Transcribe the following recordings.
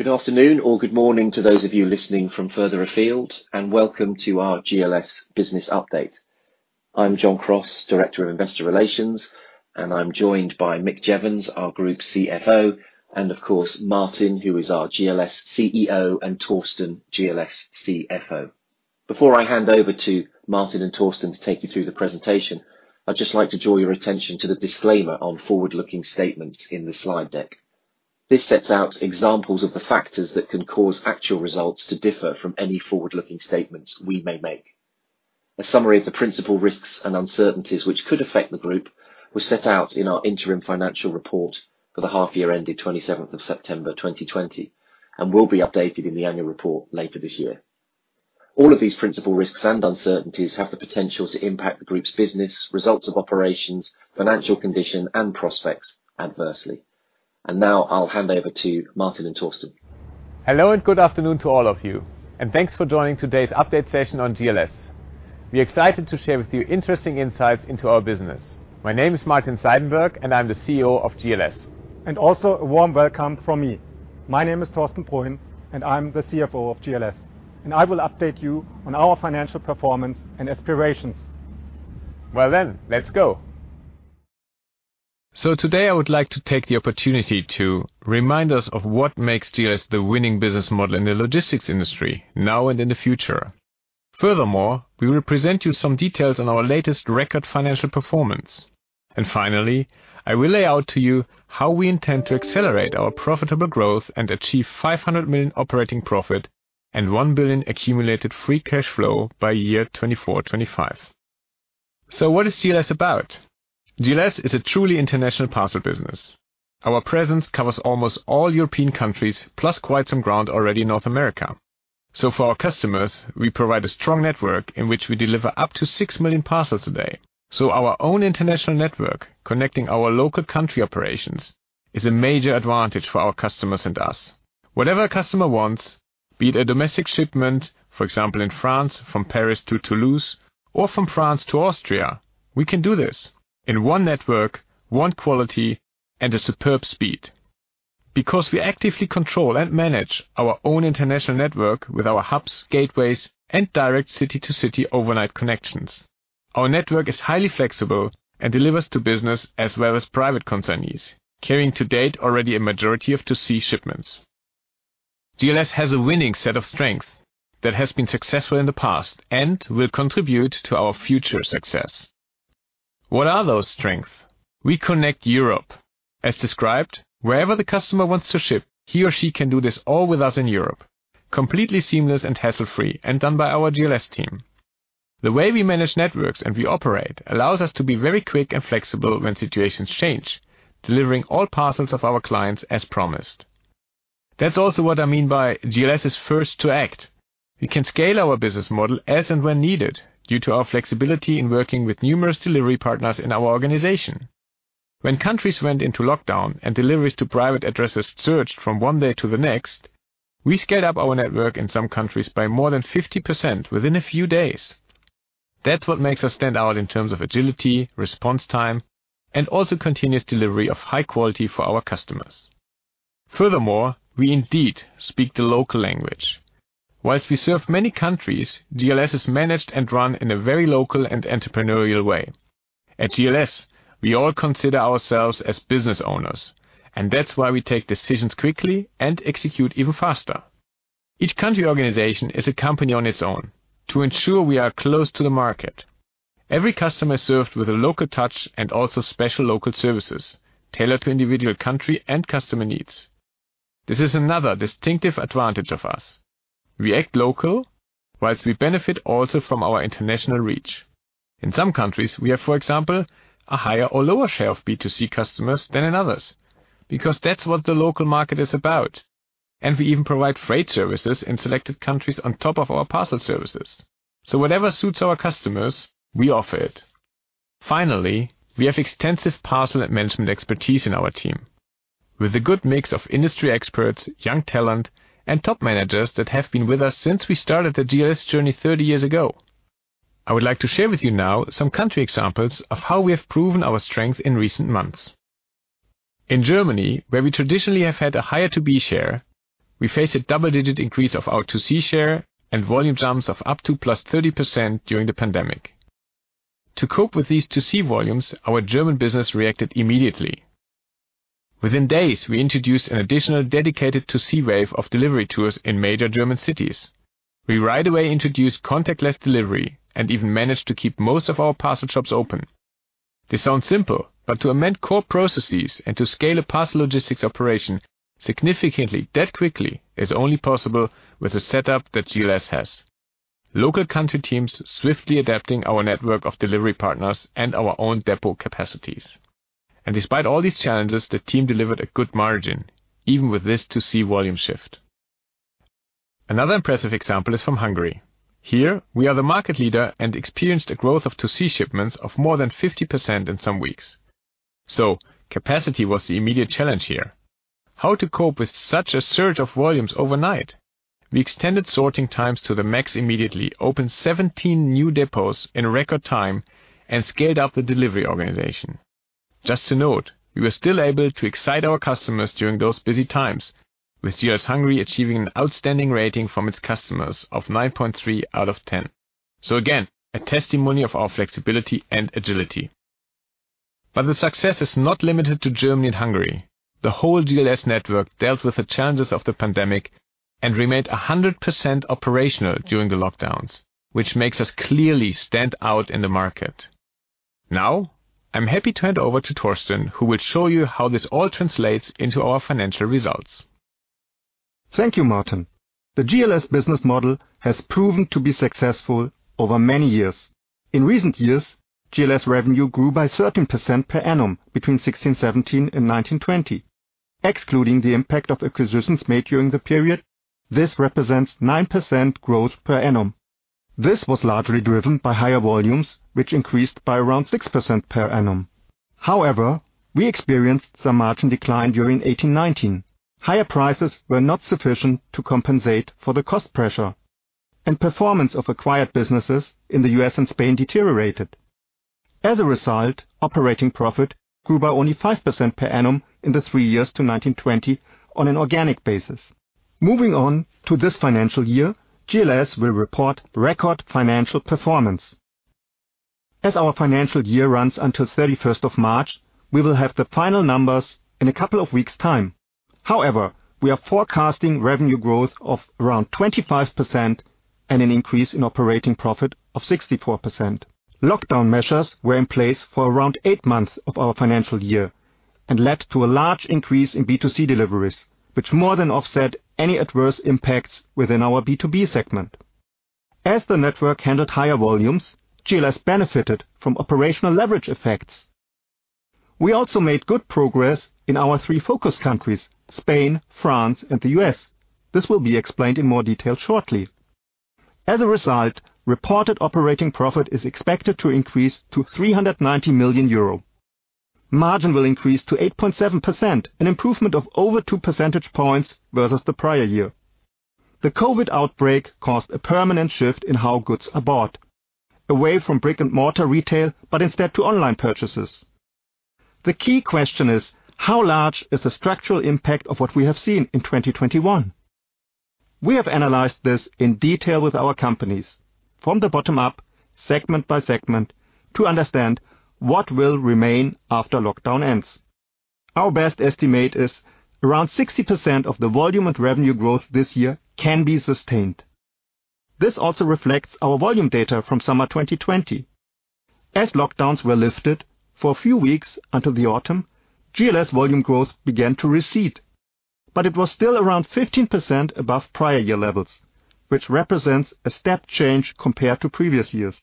Good afternoon or good morning to those of you listening from further afield, welcome to our GLS business update. I'm John Crosse, Director of Investor Relations, I'm joined by Mick Jeavons, our Group CFO, of course, Martin, who is our GLS CEO, Thorsten, GLS CFO. Before I hand over to Martin and Thorsten to take you through the presentation, I'd just like to draw your attention to the disclaimer on forward-looking statements in the slide deck. This sets out examples of the factors that can cause actual results to differ from any forward-looking statements we may make. A summary of the principal risks and uncertainties which could affect the group was set out in our interim financial report for the half year ending 27th of September 2020 will be updated in the annual report later this year. All of these principal risks and uncertainties have the potential to impact the group's business, results of operations, financial condition, and prospects adversely. Now I'll hand over to Martin and Thorsten. Hello and good afternoon to all of you, and thanks for joining today's update session on GLS. We're excited to share with you interesting insights into our business. My name is Martin Seidenberg, and I'm the CEO of GLS. Also a warm welcome from me. My name is Thorsten Pruin, and I'm the CFO of GLS, and I will update you on our financial performance and aspirations. Let's go. Today I would like to take the opportunity to remind us of what makes GLS the winning business model in the logistics industry now and in the future. Furthermore, we will present you some details on our latest record financial performance. Finally, I will lay out to you how we intend to accelerate our profitable growth and achieve 500 million operating profit and 1 billion accumulated free cash flow by year 2024, 2025. What is GLS about? GLS is a truly international parcel business. Our presence covers almost all European countries, plus quite some ground already in North America. For our customers, we provide a strong network in which we deliver up to 6 million parcels a day. Our own international network connecting our local country operations is a major advantage for our customers and us. Whatever a customer wants, be it a domestic shipment, for example, in France, from Paris to Toulouse, or from France to Austria, we can do this in one network, one quality, and a superb speed because we actively control and manage our own international network with our hubs, gateways, and direct city-to-city overnight connections. Our network is highly flexible and delivers to business as well as private consignees, carrying to date already a majority of to C shipments. GLS has a winning set of strength that has been successful in the past and will contribute to our future success. What are those strengths? We connect Europe. As described, wherever the customer wants to ship, he or she can do this all with us in Europe, completely seamless and hassle-free, and done by our GLS team. The way we manage networks and we operate allows us to be very quick and flexible when situations change, delivering all parcels of our clients as promised. That's also what I mean by GLS is first to act. We can scale our business model as and when needed due to our flexibility in working with numerous delivery partners in our organization. When countries went into lockdown and deliveries to private addresses surged from one day to the next, we scaled up our network in some countries by more than 50% within a few days. That's what makes us stand out in terms of agility, response time, and also continuous delivery of high quality for our customers. Furthermore, we indeed speak the local language. Whilst we serve many countries, GLS is managed and run in a very local and entrepreneurial way. At GLS, we all consider ourselves as business owners, and that's why we take decisions quickly and execute even faster. Each country organization is a company on its own to ensure we are close to the market. Every customer is served with a local touch and also special local services tailored to individual country and customer needs. This is another distinctive advantage of us. We act local whilst we benefit also from our international reach. In some countries, we have, for example, a higher or lower share of B2C customers than in others because that's what the local market is about, and we even provide freight services in selected countries on top of our parcel services. Whatever suits our customers, we offer it. Finally, we have extensive parcel and management expertise in our team with a good mix of industry experts, young talent, and top managers that have been with us since we started the GLS journey 30 years ago. I would like to share with you now some country examples of how we have proven our strength in recent months. In Germany, where we traditionally have had a higher B2B share, we faced a double-digit increase of our B2C share and volume jumps of up to +30% during the pandemic. To cope with these B2C volumes, our German business reacted immediately. Within days, we introduced an additional dedicated B2C wave of delivery tours in major German cities. We right away introduced contactless delivery and even managed to keep most of our parcel shops open. This sounds simple, to amend core processes and to scale a parcel logistics operation significantly that quickly is only possible with the setup that GLS has. Local country teams swiftly adapting our network of delivery partners and our own depot capacities. Despite all these challenges, the team delivered a good margin, even with this B2C volume shift. Another impressive example is from Hungary. Here we are the market leader and experienced a growth of B2C shipments of more than 50% in some weeks. Capacity was the immediate challenge here. How to cope with such a surge of volumes overnight? We extended sorting times to the max immediately, opened 17 new depots in record time, and scaled up the delivery organization. Just to note, we were still able to excite our customers during those busy times, with GLS Hungary achieving an outstanding rating from its customers of 9.3 out of 10. Again, a testimony of our flexibility and agility. The success is not limited to Germany and Hungary. The whole GLS network dealt with the challenges of the pandemic and remained 100% operational during the lockdowns, which makes us clearly stand out in the market. Now I'm happy to hand over to Thorsten, who will show you how this all translates into our financial results. Thank you, Martin. The GLS business model has proven to be successful over many years. In recent years, GLS revenue grew by 13% per annum between 2016, 2017 and 2019, 2020. Excluding the impact of acquisitions made during the period, this represents 9% growth per annum. This was largely driven by higher volumes, which increased by around 6% per annum. We experienced some margin decline during 2018, 2019. Higher prices were not sufficient to compensate for the cost pressure, and performance of acquired businesses in the U.S. and Spain deteriorated. As a result, operating profit grew by only 5% per annum in the three years to 2019, 2020 on an organic basis. Moving on to this financial year, GLS will report record financial performance. As our financial year runs until 31st of March, we will have the final numbers in a couple of weeks' time. We are forecasting revenue growth of around 25% and an increase in operating profit of 64%. Lockdown measures were in place for around eight months of our financial year and led to a large increase in B2C deliveries, which more than offset any adverse impacts within our B2B segment. The network handled higher volumes, GLS benefited from operational leverage effects. We also made good progress in our three focus countries, Spain, France, and the U.S. This will be explained in more detail shortly. Reported operating profit is expected to increase to 390 million euro. Margin will increase to 8.7%, an improvement of over two percentage points versus the prior year. The COVID outbreak caused a permanent shift in how goods are bought, away from brick and mortar retail, but instead to online purchases. The key question is: how large is the structural impact of what we have seen in 2021? We have analyzed this in detail with our companies from the bottom up, segment by segment, to understand what will remain after lockdown ends. Our best estimate is around 60% of the volume and revenue growth this year can be sustained. This also reflects our volume data from summer 2020. As lockdowns were lifted for a few weeks until the autumn, GLS volume growth began to recede, but it was still around 15% above prior year levels, which represents a step change compared to previous years.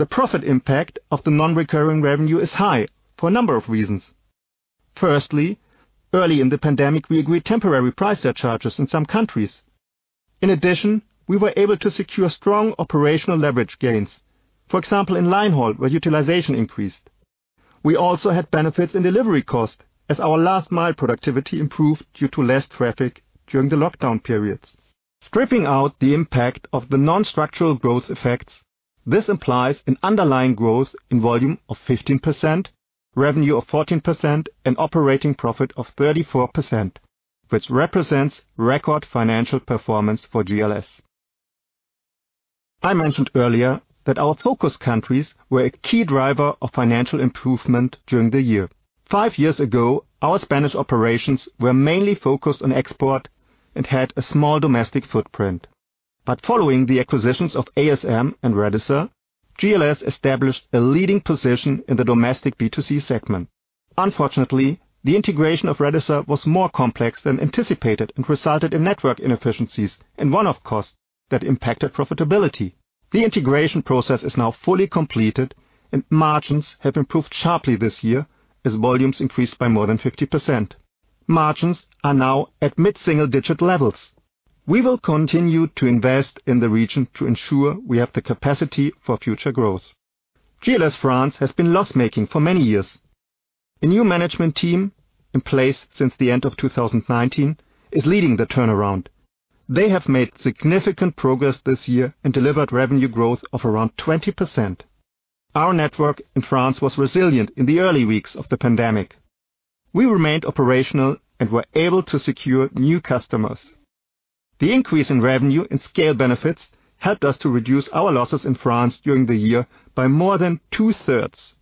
The profit impact of the non-recurring revenue is high for a number of reasons. Firstly, early in the pandemic, we agreed temporary price surcharges in some countries. In addition, we were able to secure strong operational leverage gains, for example, in line haul, where utilization increased. We also had benefits in delivery cost as our last mile productivity improved due to less traffic during the lockdown periods. Stripping out the impact of the non-structural growth effects, this implies an underlying growth in volume of 15%, revenue of 14%, and operating profit of 34%, which represents record financial performance for GLS. I mentioned earlier that our focus countries were a key driver of financial improvement during the year. Five years ago, our Spanish operations were mainly focused on export and had a small domestic footprint. Following the acquisitions of ASM and Redyser, GLS established a leading position in the domestic B2C segment. Unfortunately, the integration of Redyser was more complex than anticipated and resulted in network inefficiencies and one-off costs that impacted profitability. The integration process is now fully completed, and margins have improved sharply this year as volumes increased by more than 50%. Margins are now at mid-single digit levels. We will continue to invest in the region to ensure we have the capacity for future growth. GLS France has been loss-making for many years. A new management team, in place since the end of 2019, is leading the turnaround. They have made significant progress this year and delivered revenue growth of around 20%. Our network in France was resilient in the early weeks of the pandemic. We remained operational and were able to secure new customers. The increase in revenue and scale benefits helped us to reduce our losses in France during the year by more than two-thirds.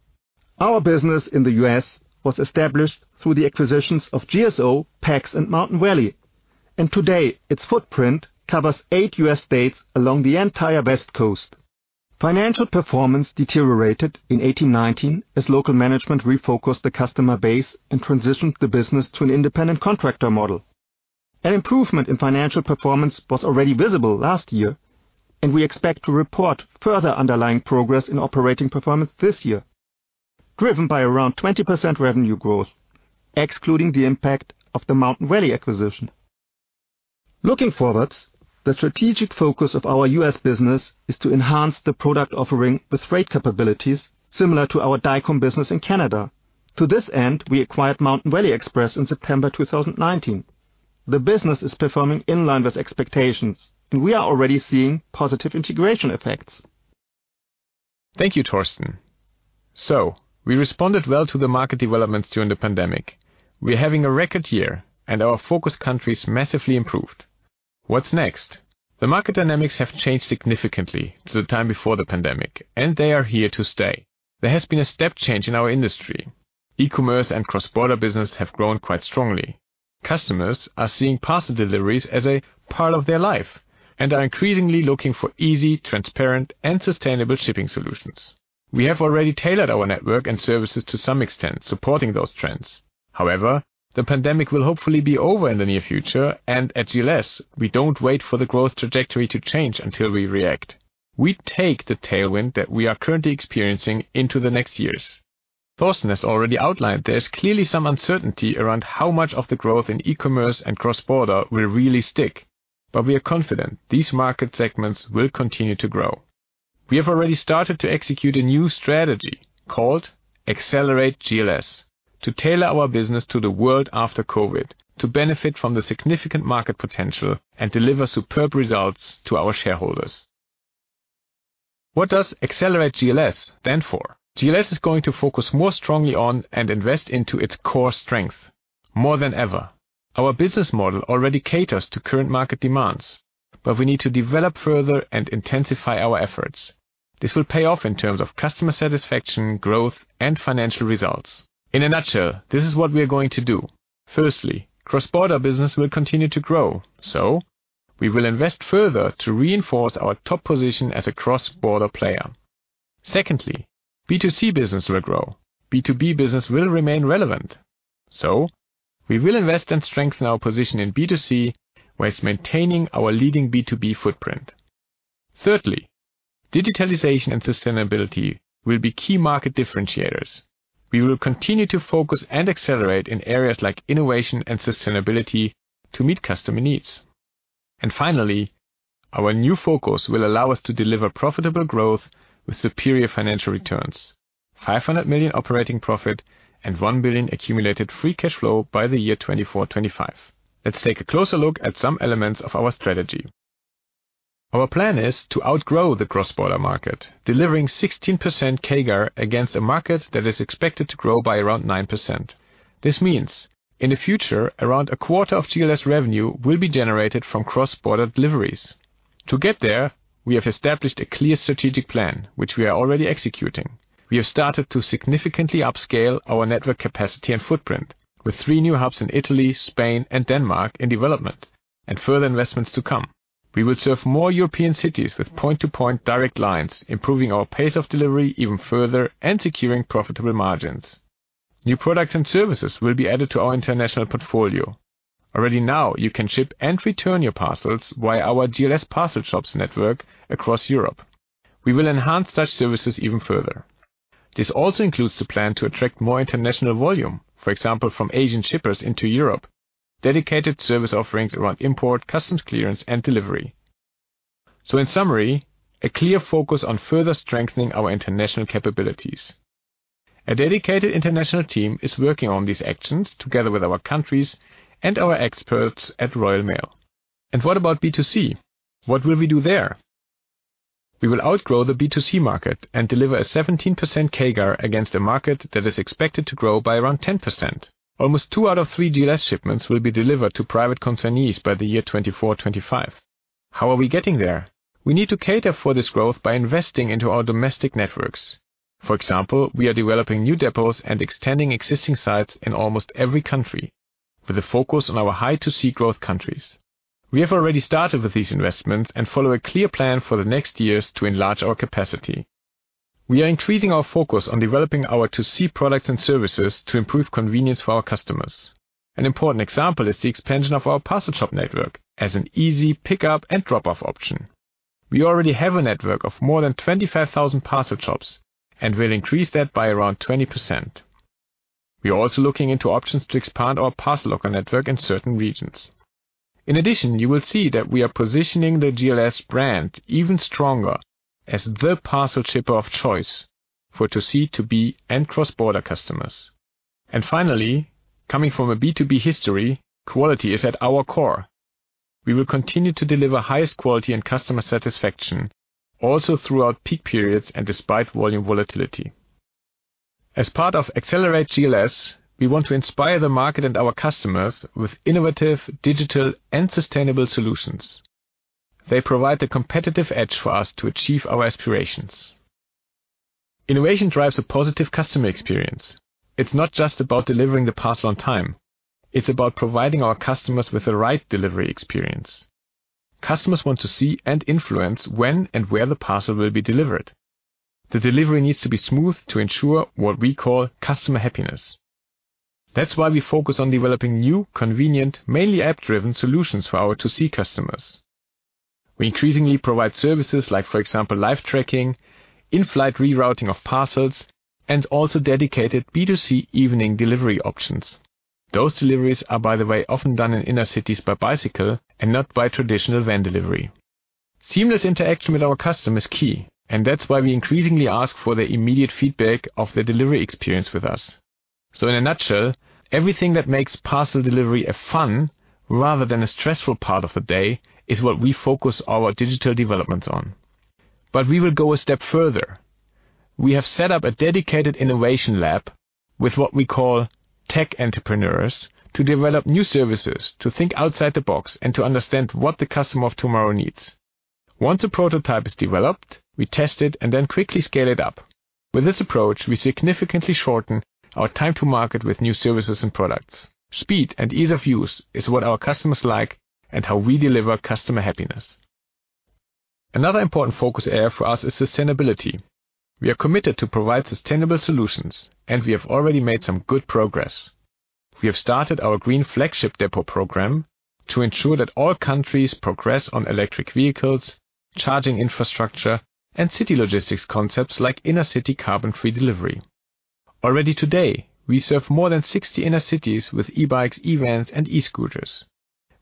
Our business in the U.S. was established through the acquisitions of GSO, PACS, and Mountain Valley, and today its footprint covers eight U.S. states along the entire West Coast. Financial performance deteriorated in 2018, 2019 as local management refocused the customer base and transitioned the business to an independent contractor model. An improvement in financial performance was already visible last year, and we expect to report further underlying progress in operating performance this year, driven by around 20% revenue growth, excluding the impact of the Mountain Valley acquisition. Looking forwards, the strategic focus of our U.S. business is to enhance the product offering with freight capabilities similar to our Dicom business in Canada. To this end, we acquired Mountain Valley Express in September 2019. The business is performing in line with expectations, and we are already seeing positive integration effects. Thank you, Thorsten. We responded well to the market developments during the pandemic. We're having a record year and our focus countries massively improved. What's next? The market dynamics have changed significantly to the time before the pandemic, and they are here to stay. There has been a step change in our industry. E-commerce and cross-border business have grown quite strongly. Customers are seeing parcel deliveries as a part of their life and are increasingly looking for easy, transparent, and sustainable shipping solutions. We have already tailored our network and services to some extent supporting those trends. However, the pandemic will hopefully be over in the near future, and at GLS, we don't wait for the growth trajectory to change until we react. We take the tailwind that we are currently experiencing into the next years. Thorsten has already outlined there's clearly some uncertainty around how much of the growth in e-commerce and cross-border will really stick. We are confident these market segments will continue to grow. We have already started to execute a new strategy called Accelerate GLS to tailor our business to the world after COVID, to benefit from the significant market potential and deliver superb results to our shareholders. What does Accelerate GLS stand for? GLS is going to focus more strongly on and invest into its core strength more than ever. Our business model already caters to current market demands. We need to develop further and intensify our efforts. This will pay off in terms of customer satisfaction, growth, and financial results. In a nutshell, this is what we are going to do. Firstly, cross-border business will continue to grow. We will invest further to reinforce our top position as a cross-border player. Secondly, B2C business will grow. B2B business will remain relevant. We will invest and strengthen our position in B2C while maintaining our leading B2B footprint. Thirdly, digitalization and sustainability will be key market differentiators. We will continue to focus and accelerate in areas like innovation and sustainability to meet customer needs. Finally, our new focus will allow us to deliver profitable growth with superior financial returns, 500 million operating profit and 1 billion accumulated free cash flow by the year 2024, 2025. Let's take a closer look at some elements of our strategy. Our plan is to outgrow the cross-border market, delivering 16% CAGR against a market that is expected to grow by around 9%. This means, in the future, around a quarter of GLS revenue will be generated from cross-border deliveries. To get there, we have established a clear strategic plan, which we are already executing. We have started to significantly upscale our network capacity and footprint with three new hubs in Italy, Spain, and Denmark in development and further investments to come. We will serve more European cities with point-to-point direct lines, improving our pace of delivery even further and securing profitable margins. New products and services will be added to our international portfolio. Already now, you can ship and return your parcels via our GLS parcel shops network across Europe. We will enhance such services even further. This also includes the plan to attract more international volume. For example, from Asian shippers into Europe, dedicated service offerings around import, customs clearance, and delivery. In summary, a clear focus on further strengthening our international capabilities. A dedicated international team is working on these actions together with our countries and our experts at Royal Mail. What about B2C? What will we do there? We will outgrow the B2C market and deliver a 17% CAGR against a market that is expected to grow by around 10%. Almost two out of three GLS shipments will be delivered to private consignees by the year 2024, 2025. How are we getting there? We need to cater for this growth by investing into our domestic networks. For example, we are developing new depots and extending existing sites in almost every country with a focus on our high B2C growth countries. We have already started with these investments and follow a clear plan for the next years to enlarge our capacity. We are increasing our focus on developing our B2C products and services to improve convenience for our customers. An important example is the expansion of our parcel shop network as an easy pickup and drop-off option. We already have a network of more than 25,000 parcel shops and will increase that by around 20%. We are also looking into options to expand our parcel locker network in certain regions. You will see that we are positioning the GLS brand even stronger as the parcel shipper of choice for B2C, B2B, and cross-border customers. Finally, coming from a B2B history, quality is at our core. We will continue to deliver highest quality and customer satisfaction also throughout peak periods and despite volume volatility. As part of Accelerate GLS, we want to inspire the market and our customers with innovative, digital, and sustainable solutions. They provide the competitive edge for us to achieve our aspirations. Innovation drives a positive customer experience. It's not just about delivering the parcel on time. It's about providing our customers with the right delivery experience. Customers want to see and influence when and where the parcel will be delivered. The delivery needs to be smooth to ensure what we call customer happiness. That's why we focus on developing new, convenient, mainly app-driven solutions for our B2C customers. We increasingly provide services like, for example, live tracking, in-flight rerouting of parcels, and also dedicated B2C evening delivery options. Those deliveries are, by the way, often done in inner cities by bicycle and not by traditional van delivery. Seamless interaction with our customer is key, and that's why we increasingly ask for the immediate feedback of their delivery experience with us. In a nutshell, everything that makes parcel delivery a fun rather than a stressful part of the day is what we focus our digital developments on. We will go a step further. We have set up a dedicated innovation lab with what we call tech entrepreneurs to develop new services, to think outside the box, and to understand what the customer of tomorrow needs. Once a prototype is developed, we test it and then quickly scale it up. With this approach, we significantly shorten our time to market with new services and products. Speed and ease of use is what our customers like and how we deliver customer happiness. Another important focus area for us is sustainability. We are committed to provide sustainable solutions, and we have already made some good progress. We have started our green flagship depot program to ensure that all countries progress on electric vehicles, charging infrastructure, and city logistics concepts like inner city carbon-free delivery. Already today, we serve more than 60 inner cities with e-bikes, e-vans, and e-scooters.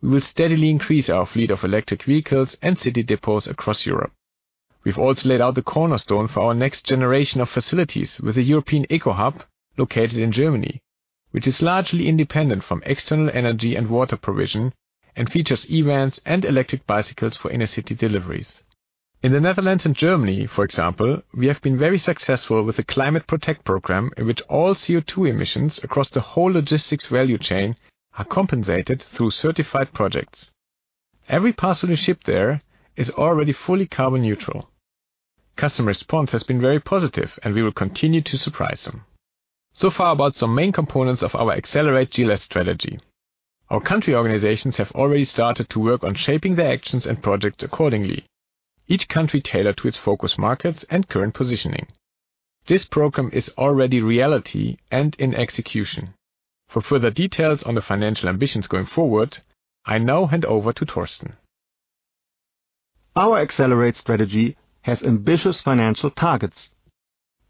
We will steadily increase our fleet of electric vehicles and city depots across Europe. We've also laid out the cornerstone for our next generation of facilities with the EuropeanEcoHub located in Germany, which is largely independent from external energy and water provision and features e-vans and electric bicycles for inner city deliveries. In the Netherlands and Germany, for example, we have been very successful with the Climate Protect program in which all CO2 emissions across the whole logistics value chain are compensated through certified projects. Every parcel we ship there is already fully carbon neutral. Customer response has been very positive. We will continue to surprise them. Far about some main components of our Accelerate GLS strategy. Our country organizations have already started to work on shaping their actions and projects accordingly. Each country tailored to its focus markets and current positioning. This program is already reality and in execution. For further details on the financial ambitions going forward, I now hand over to Thorsten. Our Accelerate strategy has ambitious financial targets.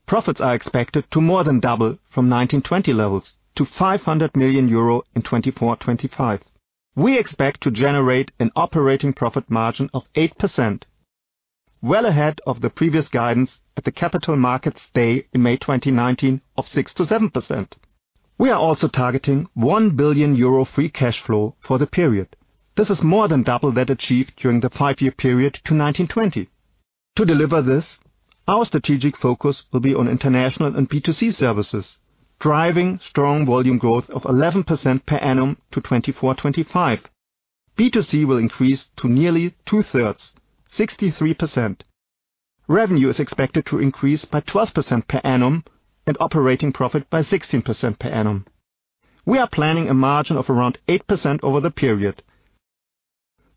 Profits are expected to more than double from 2019, 2020 levels to 500 million euro in 2024, 2025. We expect to generate an operating profit margin of 8%, well ahead of the previous guidance at the Capital Markets Day in May 2019 of 6%-7%. We are also targeting 1 billion euro free cash flow for the period. This is more than double that achieved during the five-year period to 2019, 2020. To deliver this, our strategic focus will be on international and B2C services, driving strong volume growth of 11% per annum to 2024, 2025. B2C will increase to nearly two-thirds, 63%. Revenue is expected to increase by 12% per annum and operating profit by 16% per annum. We are planning a margin of around 8% over the period.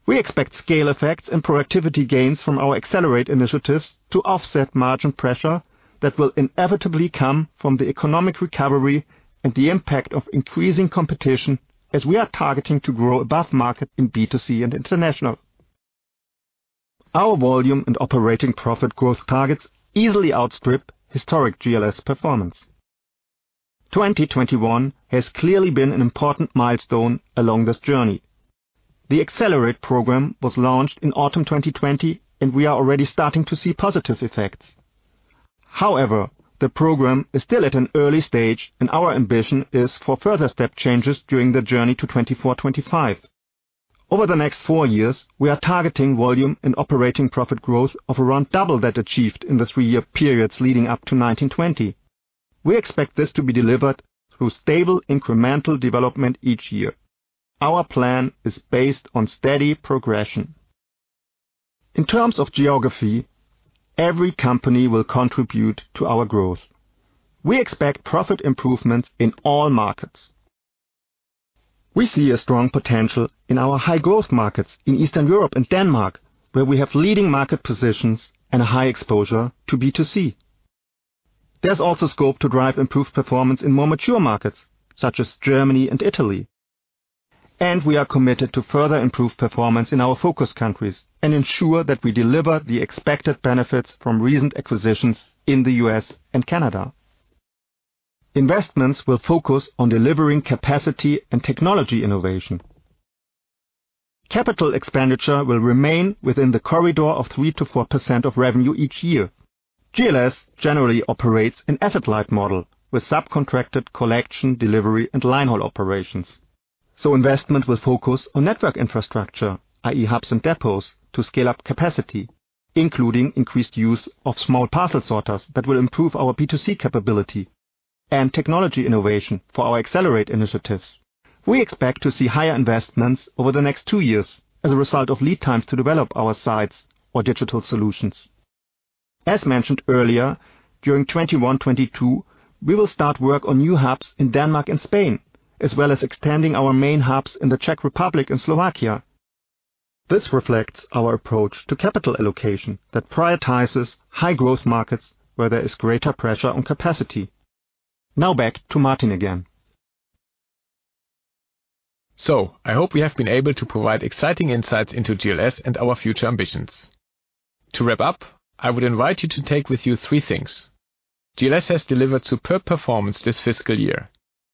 We expect scale effects and productivity gains from our Accelerate initiatives to offset margin pressure that will inevitably come from the economic recovery and the impact of increasing competition as we are targeting to grow above market in B2C and international. Our volume and operating profit growth targets easily outstrip historic GLS performance. 2021 has clearly been an important milestone along this journey. The Accelerate program was launched in autumn 2020, and we are already starting to see positive effects. However, the program is still at an early stage, and our ambition is for further step changes during the journey to 2024, 2025. Over the next four years, we are targeting volume and operating profit growth of around double that achieved in the three-year periods leading up to 2019, 2020. We expect this to be delivered through stable incremental development each year. Our plan is based on steady progression. In terms of geography, every company will contribute to our growth. We expect profit improvements in all markets. We see a strong potential in our high-growth markets in Eastern Europe and Denmark, where we have leading market positions and a high exposure to B2C. There's also scope to drive improved performance in more mature markets such as Germany and Italy. We are committed to further improve performance in our focus countries and ensure that we deliver the expected benefits from recent acquisitions in the U.S. and Canada. Investments will focus on delivering capacity and technology innovation. Capital expenditure will remain within the corridor of 3%-4% of revenue each year. GLS generally operates an asset-light model with subcontracted collection, delivery, and line haul operations. Investment will focus on network infrastructure, i.e., hubs and depots, to scale up capacity, including increased use of small parcel sorters that will improve our B2C capability, and technology innovation for our Accelerate initiatives. We expect to see higher investments over the next two years as a result of lead times to develop our sites or digital solutions. As mentioned earlier, during 2021, 2022, we will start work on new hubs in Denmark and Spain, as well as extending our main hubs in the Czech Republic and Slovakia. This reflects our approach to capital allocation that prioritizes high-growth markets where there is greater pressure on capacity. Now back to Martin again. I hope we have been able to provide exciting insights into GLS and our future ambitions. To wrap up, I would invite you to take with you three things GLS has delivered superb performance this fiscal year.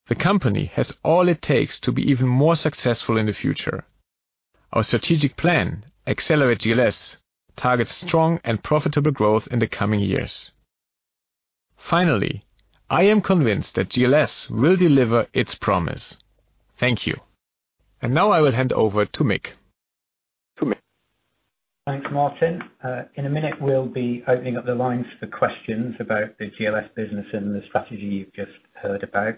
The company has all it takes to be even more successful in the future. Our strategic plan, Accelerate GLS, targets strong and profitable growth in the coming years. Finally, I am convinced that GLS will deliver its promise. Thank you. Now I will hand over to Mick. Thanks, Martin. In a minute, we will be opening up the lines for questions about the GLS business and the strategy you have just heard about.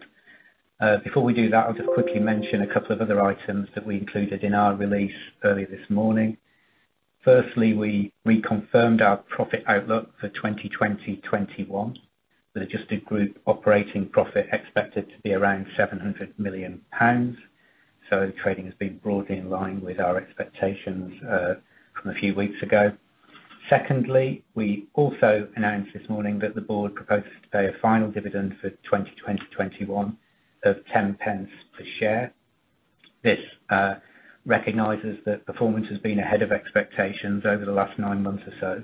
Before we do that, I will just quickly mention a couple of other items that we included in our release earlier this morning. Firstly, we reconfirmed our profit outlook for 2020, 2021. With adjusted group operating profit expected to be around 700 million pounds. Trading has been broadly in line with our expectations from a few weeks ago. Secondly, we also announced this morning that the board proposes to pay a final dividend for 2020, 2021 of 0.10 per share. This recognizes that performance has been ahead of expectations over the last nine months or so.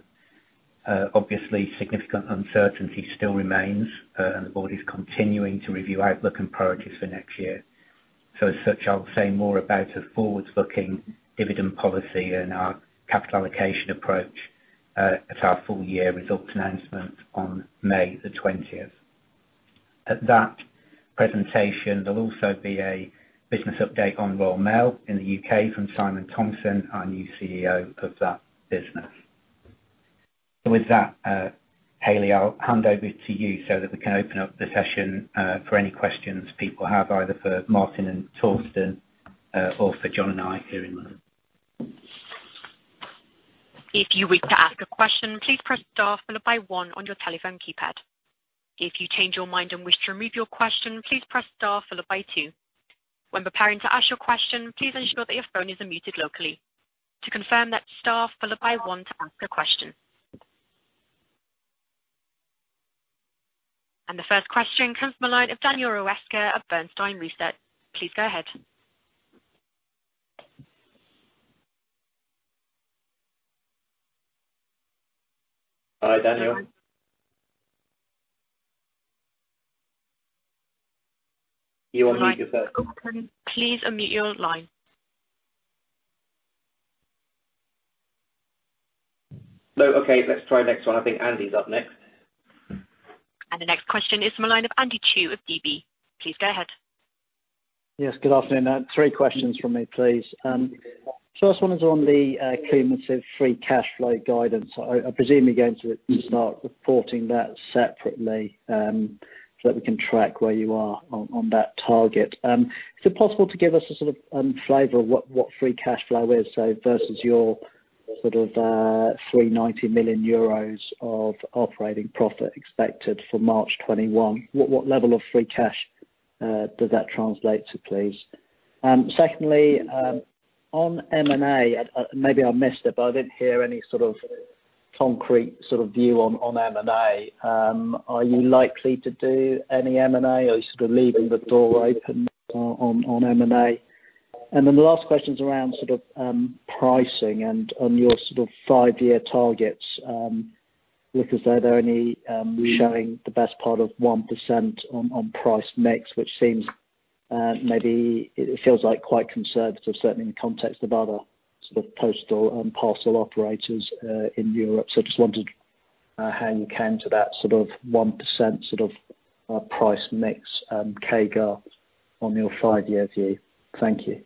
Obviously, significant uncertainty still remains, and the board is continuing to review outlook and priorities for next year. As such, I'll say more about a forward-looking dividend policy and our capital allocation approach at our full-year results announcement on May 20th. At that presentation, there'll also be a business update on Royal Mail in the U.K. from Simon Thompson, our new CEO of that business. With that, Haley, I'll hand over to you so that we can open up the session for any questions people have, either for Martin and Thorsten or for John and I here in London. If you wish to ask a question please press star and number one on your telephone keypad. If you change your mind and wish to remove your question, please press star followed by two. When preparing to ask your question, please ensure that your phone is unmuted. To confirm that star followed by one to ask a question. The first question comes from the line of Daniel Roeska of Bernstein Research. Please go ahead. Hi, Daniel. You unmuted yourself. Please unmute your line. No. Okay. Let's try the next one. I think Andy's up next. The next question is from the line of Andy Chu of DB. Please go ahead. Yes. Good afternoon. Three questions from me, please. First one is on the cumulative free cash flow guidance. I presume you're going to start reporting that separately, so that we can track where you are on that target. Is it possible to give us a sort of flavor of what free cash flow is? Versus your sort of 390 million euros of operating profit expected for March 2021, what level of free cash does that translate to, please? Secondly, on M&A, maybe I missed it, but I didn't hear any sort of concrete sort of view on M&A. Are you likely to do any M&A? Are you sort of leaving the door open on M&A? The last question is around sort of pricing and on your sort of five-year targets. It looks as though they're only showing the best part of 1% on price mix, which maybe it feels quite conservative, certainly in the context of other sort of postal and parcel operators in Europe. Just wondered how you came to that sort of 1% sort of price mix, CAGR on your five-year view? Thank you.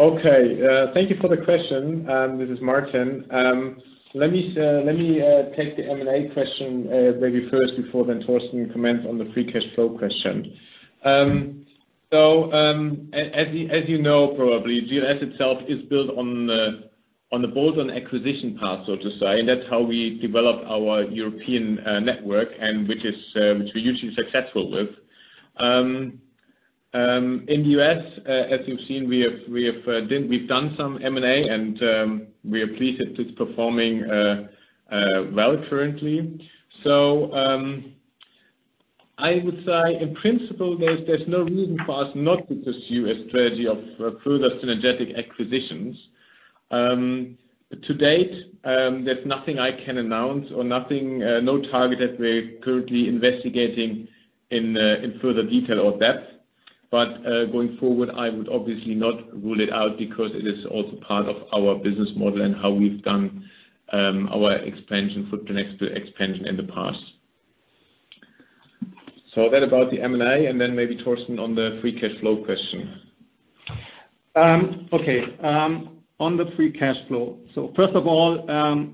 Okay. Thank you for the question. This is Martin. Let me take the M&A question maybe first before Thorsten comments on the free cash flow question. As you know probably, GLS itself is built on the bolt-on acquisition path, so to say, and that's how we developed our European network and which we're usually successful with. In the U.S., as you've seen, we've done some M&A and we are pleased that it's performing well currently. I would say in principle, there's no reason for us not to pursue a strategy of further synergetic acquisitions. To date, there's nothing I can announce or no target that we're currently investigating in further detail or depth. Going forward, I would obviously not rule it out because it is also part of our business model and how we've done our expansion for the next expansion in the past. That about the M&A, and then maybe Thorsten on the free cash flow question. Okay. On the free cash flow. First of all,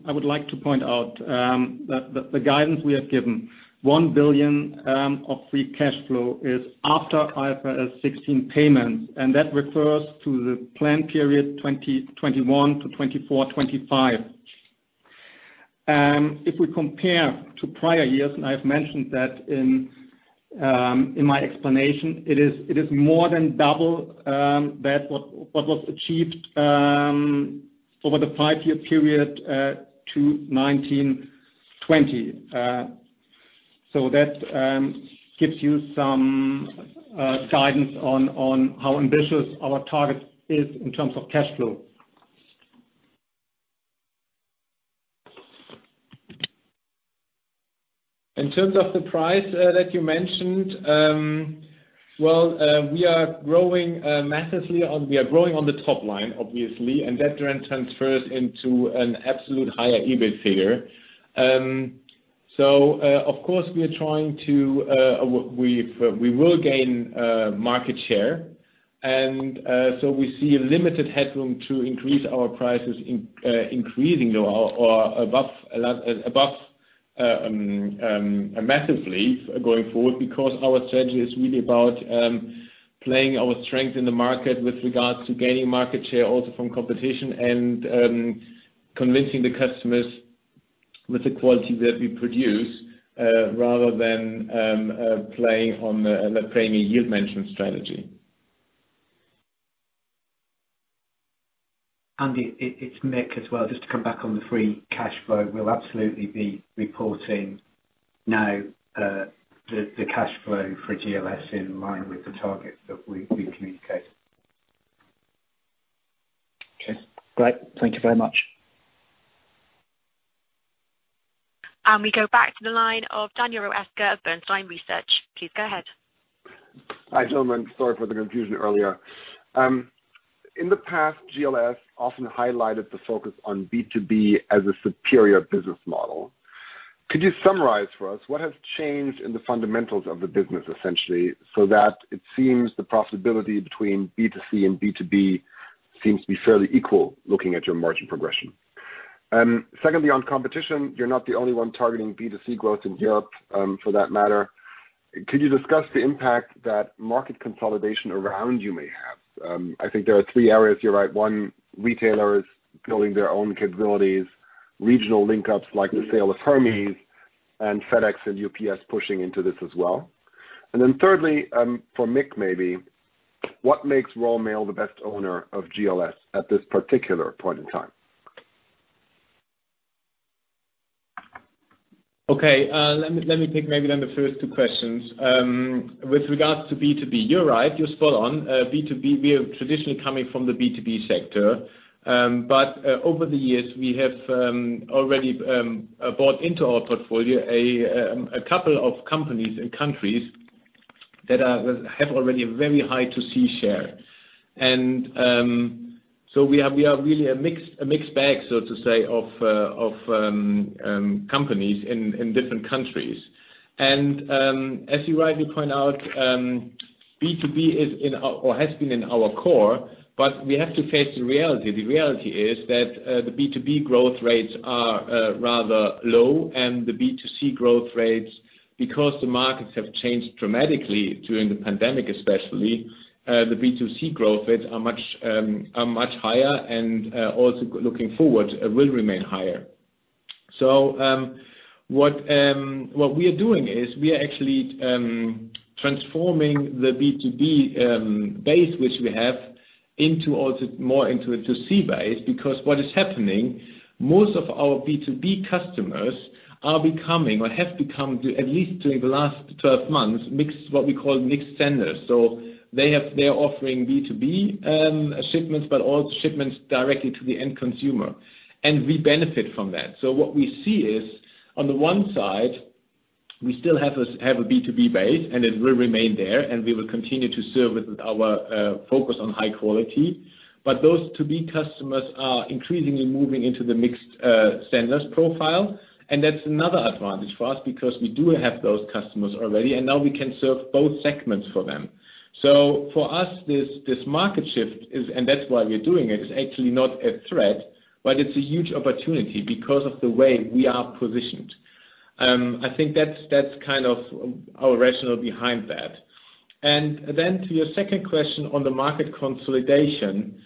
I would like to point out that the guidance we have given, 1 billion of free cash flow is after IFRS 16 payments, and that refers to the plan period 2021 to 2024, 2025. If we compare to prior years, and I have mentioned that in my explanation, it is more than double what was achieved over the five-year period to 2019, 2020. That gives you some guidance on how ambitious our target is in terms of cash flow. In terms of the price that you mentioned, we are growing massively on the top line, obviously, and that then transfers into an absolute higher EBIT figure. Of course, we will gain market share. We see a limited headroom to increase our prices, increasing above massively going forward because our strategy is really about playing our strength in the market with regards to gaining market share also from competition and convincing the customers with the quality that we produce, rather than playing on the premium you've mentioned strategy. Andy, it's Mick as well. Just to come back on the free cash flow. We'll absolutely be reporting now the cash flow for GLS in line with the targets that we communicate. Okay. Great. Thank you very much. We go back to the line of Daniel Roeska of Bernstein Research. Please go ahead. Hi, gentlemen. Sorry for the confusion earlier. In the past, GLS often highlighted the focus on B2B as a superior business model. Could you summarize for us what has changed in the fundamentals of the business, essentially, so that it seems the profitability between B2C and B2B seems to be fairly equal, looking at your margin progression? Secondly, on competition, you're not the only one targeting B2C growth in Europe, for that matter. Could you discuss the impact that market consolidation around you may have? I think there are three areas here. One, retailers building their own capabilities, regional link-ups like the sale of Hermes and FedEx and UPS pushing into this as well. Thirdly, for Mick maybe, what makes Royal Mail the best owner of GLS at this particular point in time? Okay. Let me take maybe then the first two questions. With regards to B2B, you're right. You're spot on. B2B, we are traditionally coming from the B2B sector. Over the years, we have already bought into our portfolio a couple of companies and countries that have already a very high B2C share. We are really a mixed bag, so to say, of companies in different countries. As you rightly point out, B2B has been in our core, but we have to face the reality. The reality is that the B2B growth rates are rather low and the B2C growth rates, because the markets have changed dramatically during the pandemic, especially, the B2C growth rates are much higher and also looking forward, will remain higher. What we are doing is we are actually transforming the B2B base, which we have, more into a B2C base, because what is happening, most of our B2B customers are becoming or have become, at least during the last 12 months, what we call mixed senders. They are offering B2B shipments, but all shipments directly to the end consumer. We benefit from that. What we see is on the one side, we still have a B2B base and it will remain there and we will continue to serve with our focus on high quality. Those B2B customers are increasingly moving into the mixed senders profile. That's another advantage for us because we do have those customers already, and now we can serve both segments for them. For us, this market shift is, and that's why we're doing it, is actually not a threat, but it's a huge opportunity because of the way we are positioned. I think that's kind of our rationale behind that. Then to your second question on the market consolidation.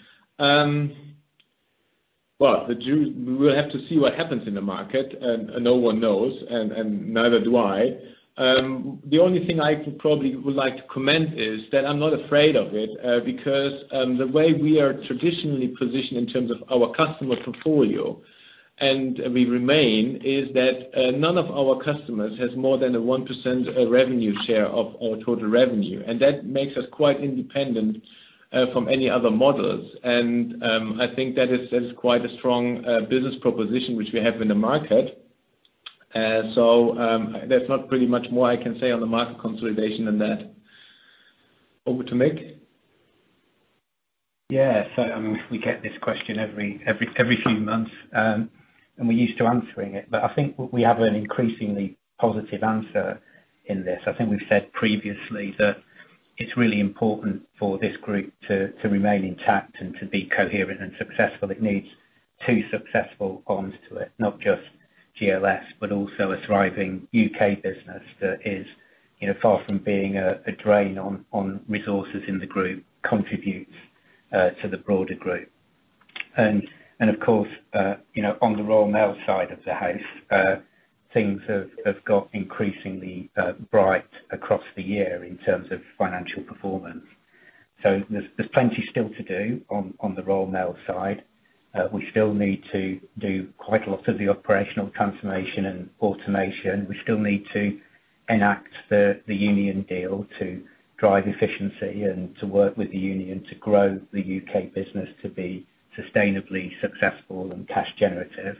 Well, we will have to see what happens in the market, and no one knows, and neither do I. The only thing I probably would like to comment is that I'm not afraid of it, because the way we are traditionally positioned in terms of our customer portfolio, and we remain, is that none of our customers has more than a 1% revenue share of our total revenue. That makes us quite independent from any other models. I think that is quite a strong business proposition, which we have in the market, there's not pretty much more I can say on the market consolidation than that. Over to Mick. We get this question every few months, and we're used to answering it. I think we have an increasingly positive answer in this. I think we've said previously that it's really important for this group to remain intact and to be coherent and successful. It needs two successful arms to it, not just GLS, but also a thriving U.K. business that is far from being a drain on resources in the group, contributes to the broader group. Of course, on the Royal Mail side of the house, things have got increasingly bright across the year in terms of financial performance. There's plenty still to do on the Royal Mail side. We still need to do quite a lot of the operational transformation and automation. We still need to enact the union deal to drive efficiency and to work with the union to grow the U.K. business to be sustainably successful and cash generative.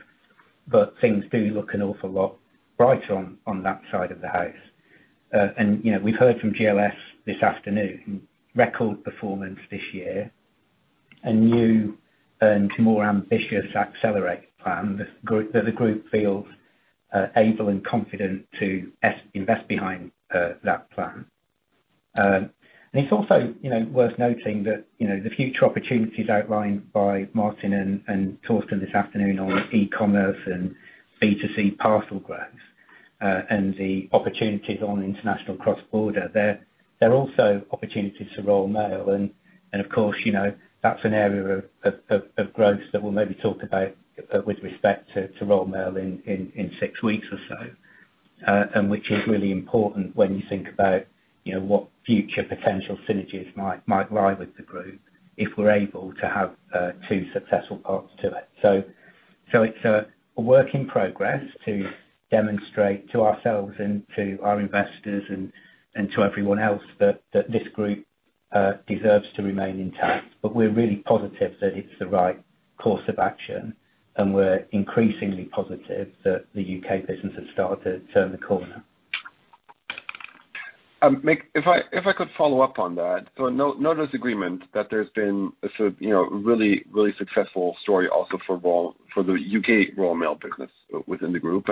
Things do look an awful lot brighter on that side of the house. We've heard from GLS this afternoon, record performance this year, a new and more ambitious Accelerate plan that the group feels able and confident to invest behind that plan. It's also worth noting that the future opportunities outlined by Martin and Thorsten this afternoon on e-commerce and B2C parcel growth, and the opportunities on international cross-border, they're also opportunities for Royal Mail and of course, that's an area of growth that we'll maybe talk about with respect to Royal Mail in six weeks or so, and which is really important when you think about what future potential synergies might lie with the group if we're able to have two successful parts to it. It's a work in progress to demonstrate to ourselves and to our investors and to everyone else that this group deserves to remain intact. We're really positive that it's the right course of action, and we're increasingly positive that the U.K. business has started to turn the corner. Mick, if I could follow up on that. No disagreement that there's been a really successful story also for the U.K. Royal Mail business within the group.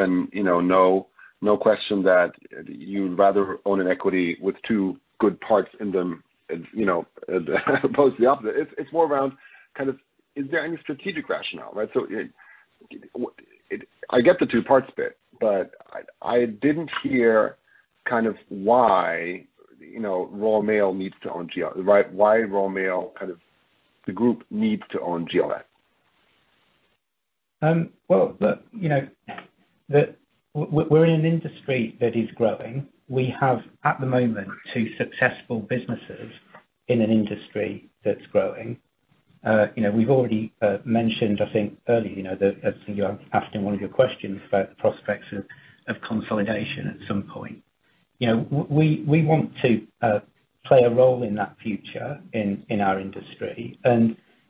No question that you would rather own an equity with two good parts in them as opposed to the opposite. It's more around, is there any strategic rationale? I get the two parts bit, but I didn't hear why the group needs to own GLS. Well, look, we're in an industry that is growing. We have, at the moment, two successful businesses in an industry that's growing. We've already mentioned, I think earlier, that as you are asking one of your questions about the prospects of consolidation at some point. We want to play a role in that future in our industry.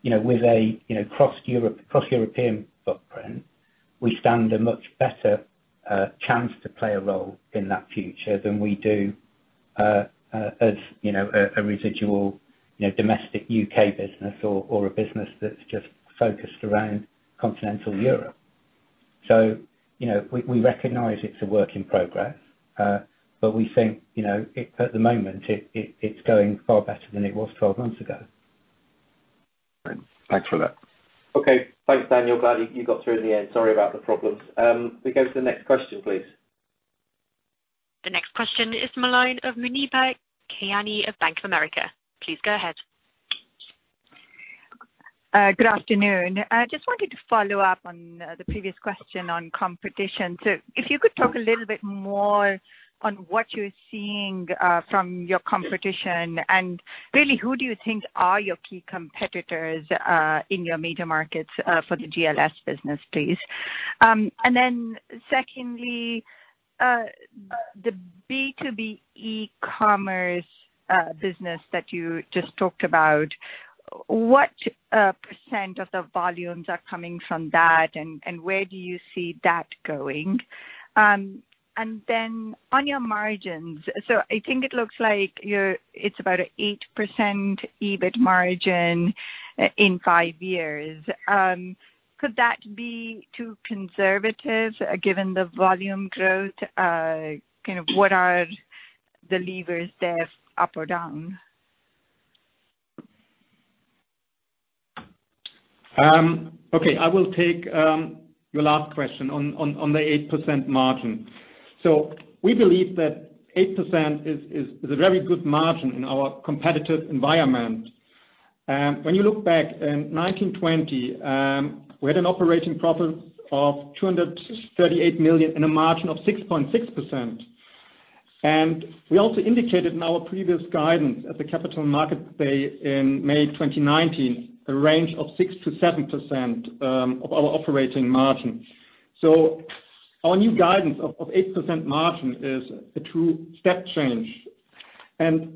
With a cross-European footprint, we stand a much better chance to play a role in that future than we do as a residual domestic U.K. business or a business that's just focused around continental Europe. We recognize it's a work in progress, but we think, at the moment, it's going far better than it was 12 months ago. Thanks for that. Okay. Thanks, Daniel. Glad you got through in the end. Sorry about the problems. Can we go to the next question, please? The next question is Muneeba Kayani of Bank of America. Please go ahead. Good afternoon. I just wanted to follow up on the previous question on competition. If you could talk a little bit more on what you're seeing from your competition. Really, who do you think are your key competitors in your major markets for the GLS business, please? Secondly, the B2B e-commerce business that you just talked about, what percent of the volumes are coming from that, and where do you see that going? On your margins, I think it looks like it's about an 8% EBIT margin in five years. Could that be too conservative given the volume growth? What are the levers there, up or down? Okay. I will take your last question on the 8% margin. We believe that 8% is a very good margin in our competitive environment. When you look back in 2019, 2020, we had an operating profit of 238 million and a margin of 6.6%. We also indicated in our previous guidance at the Capital Markets Day in May 2019, a range of 6%-7% of our operating margin. Our new guidance of 8% margin is a true step change.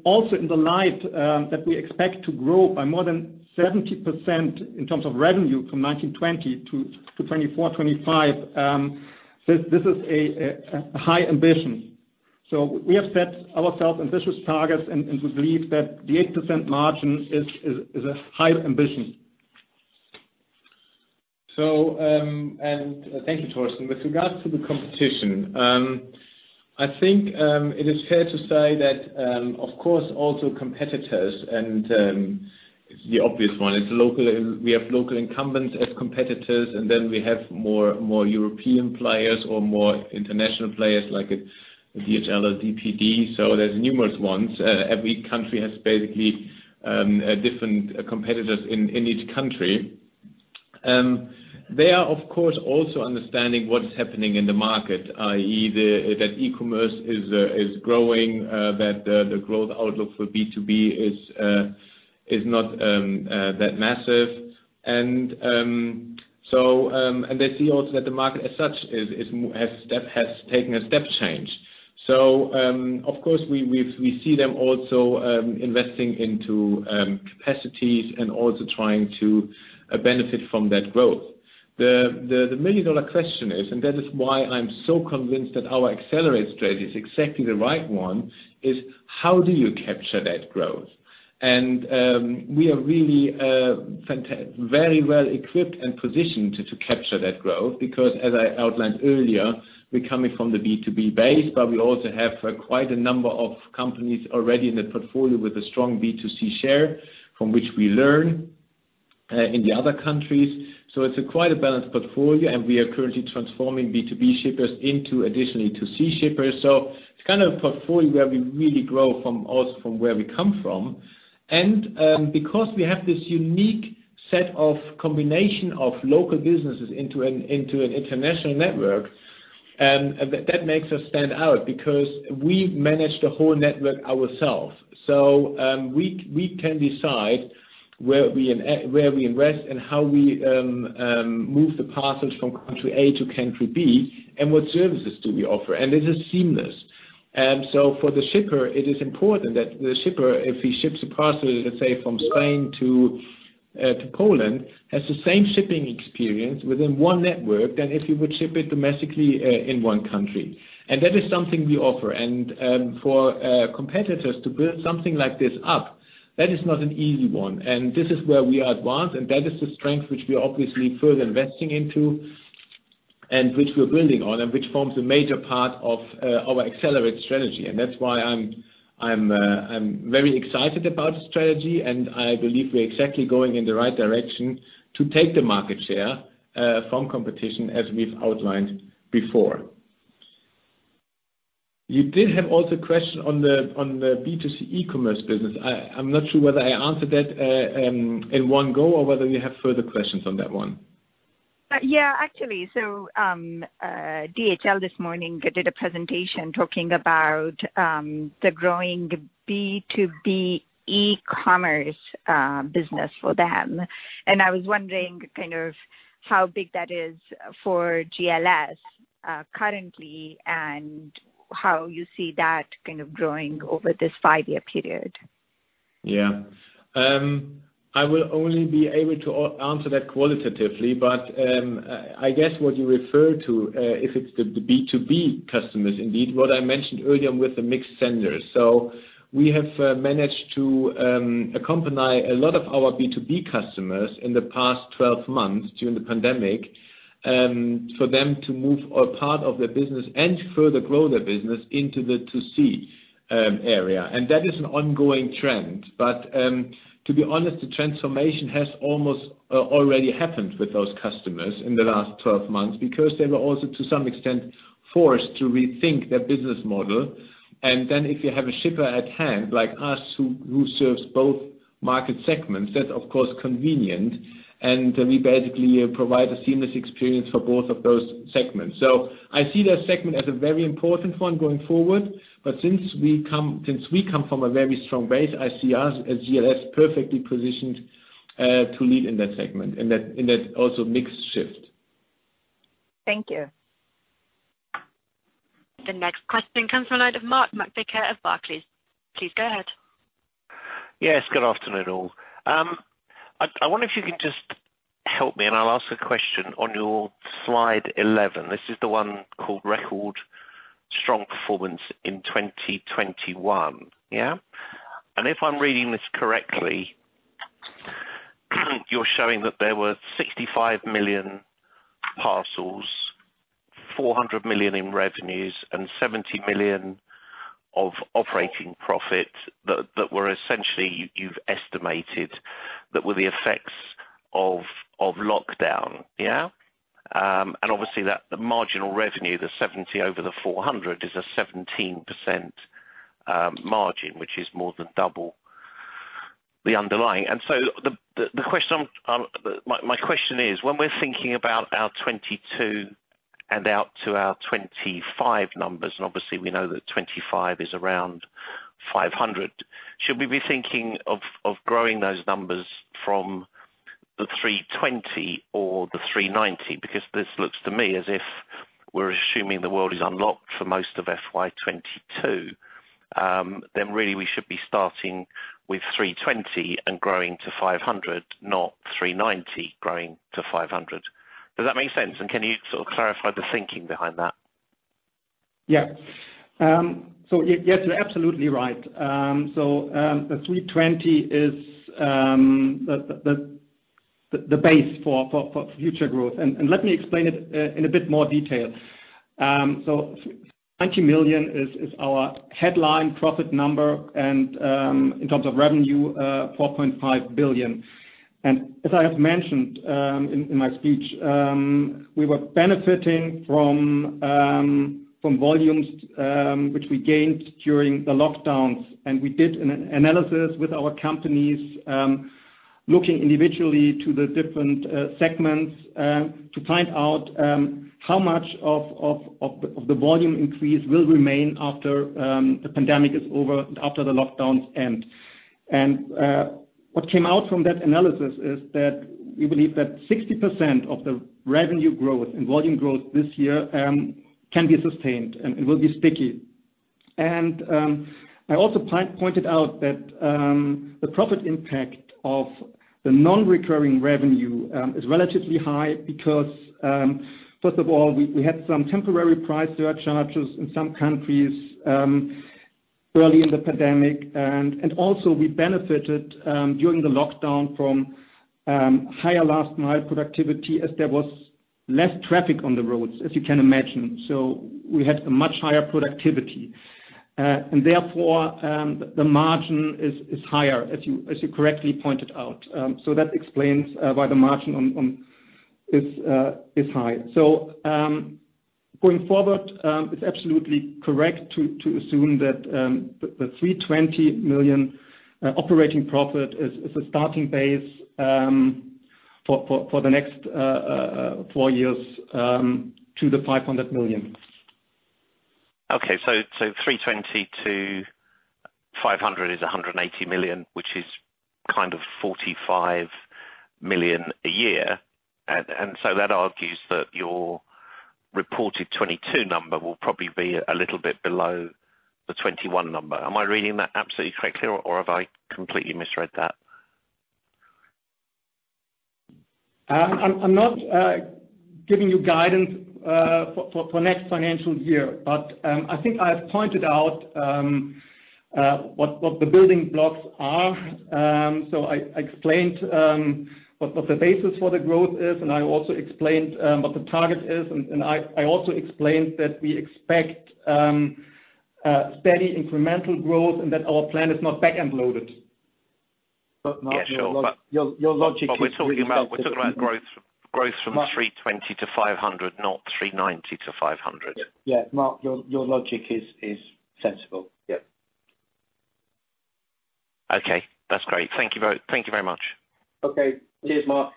Also in the light that we expect to grow by more than 70% in terms of revenue from 2019, 2020 to 2024, 2025, this is a high ambition. We have set ourselves ambitious targets and we believe that the 8% margin is a high ambition. Thank you, Thorsten. With regards to the competition, I think it is fair to say that, of course, also competitors and the obvious one, we have local incumbents as competitors, and then we have more European players or more international players like a DHL or DPD. There's numerous ones. Every country has basically different competitors in each country. They are, of course, also understanding what is happening in the market, i.e., that e-commerce is growing, that the growth outlook for B2B is not that massive. They see also that the market as such has taken a step change. Of course, we see them also investing into capacities and also trying to benefit from that growth. The million-dollar question is, and that is why I'm so convinced that our Accelerate strategy is exactly the right one, is how do you capture that growth? We are really very well equipped and positioned to capture that growth because as I outlined earlier, we're coming from the B2B base, but we also have quite a number of companies already in the portfolio with a strong B2C share from which we learn, in the other countries. It's quite a balanced portfolio, and we are currently transforming B2B shippers into additionally to C shippers. It's kind of a portfolio where we really grow from where we come from. Because we have this unique set of combination of local businesses into an international network, that makes us stand out because we manage the whole network ourself. We can decide where we invest and how we move the parcels from country A to country B and what services do we offer. This is seamless. For the shipper, it is important that the shipper, if he ships a parcel, let's say, from Spain to Poland, has the same shipping experience within one network than if he would ship it domestically in one country. That is something we offer. For competitors to build something like this up, that is not an easy one. This is where we are advanced, and that is the strength which we are obviously further investing into and which we're building on, and which forms a major part of our Accelerate strategy. That's why I'm very excited about the strategy, and I believe we're exactly going in the right direction to take the market share from competition as we've outlined before. You did have also a question on the B2C e-commerce business. I'm not sure whether I answered that in one go or whether you have further questions on that one. Yeah, actually. DHL this morning did a presentation talking about the growing B2B e-commerce business for them. I was wondering kind of how big that is for GLS currently and how you see that kind of growing over this five-year period? Yeah. I will only be able to answer that qualitatively. I guess what you refer to, if it's the B2B customers, indeed, what I mentioned earlier with the mixed senders. We have managed to accompany a lot of our B2B customers in the past 12 months during the pandemic, for them to move a part of their business and further grow their business into the B2C area. That is an ongoing trend. To be honest, the transformation has almost already happened with those customers in the last 12 months because they were also, to some extent, forced to rethink their business model. If you have a shipper at hand like us, who serves both market segments, that's of course convenient, and we basically provide a seamless experience for both of those segments. I see that segment as a very important one going forward. Since we come from a very strong base, I see us, as GLS, perfectly positioned to lead in that segment, in that also mixed shift. Thank you. The next question comes from the line of Mark McVicar of Barclays. Please go ahead. Yes. Good afternoon, all. I wonder if you can just help me. I'll ask a question on your slide 11. This is the one called "Record strong performance in 2021." Yeah? If I'm reading this correctly, you're showing that there were 65 million parcels, 400 million in revenues and 70 million of operating profit that were essentially, you've estimated that were the effects of lockdown. Yeah? Obviously the marginal revenue, the 70 million over the 400 million, is a 17% margin, which is more than double the underlying. My question is, when we're thinking about our 2022 and out to our 2025 numbers, obviously we know that 2025 is around 500 million, should we be thinking of growing those numbers from the 320 million or the 390 million? This looks to me as if we're assuming the world is unlocked for most of FY 2022. Really we should be starting with 320 million and growing to 500 million, not 390 million growing to 500 million. Does that make sense? And can you sort of clarify the thinking behind that? Yes, you're absolutely right. The 320 million is the base for future growth. Let me explain it in a bit more detail. 90 million is our headline profit number and, in terms of revenue, 4.5 billion. As I have mentioned in my speech, we were benefiting from volumes, which we gained during the lockdowns. We did an analysis with our companies. Looking individually to the different segments to find out how much of the volume increase will remain after the pandemic is over, after the lockdowns end. What came out from that analysis is that we believe that 60% of the revenue growth and volume growth this year can be sustained and will be sticky. I also pointed out that the profit impact of the non-recurring revenue is relatively high because, first of all, we had some temporary price surcharges in some countries early in the pandemic. Also we benefited during the lockdown from higher last mile productivity as there was less traffic on the roads, as you can imagine. We had a much higher productivity. Therefore, the margin is higher, as you correctly pointed out. That explains why the margin is high. Going forward, it's absolutely correct to assume that the 320 million operating profit is a starting base for the next four years, to the 500 million. Okay. 320 million to 500 million is 180 million, which is 45 million a year. That argues that your reported 2022 number will probably be a little bit below the 2021 number. Am I reading that absolutely correctly, or have I completely misread that? I'm not giving you guidance for next financial year. I think I've pointed out what the building blocks are. I explained what the basis for the growth is, and I also explained what the target is, and I also explained that we expect steady incremental growth and that our plan is not back-end loaded. Yeah, sure. Your logic is. We're talking about growth from 320 million to 500 million, not 390 million to 500 million. Yeah. Mark, your logic is sensible. Yep. Okay. That's great. Thank you very much. Okay. Cheers, Mark.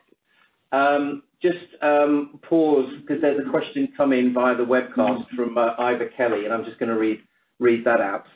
Just pause because there's a question come in via the webcast from Iver Kelly, and I am just going to read that out.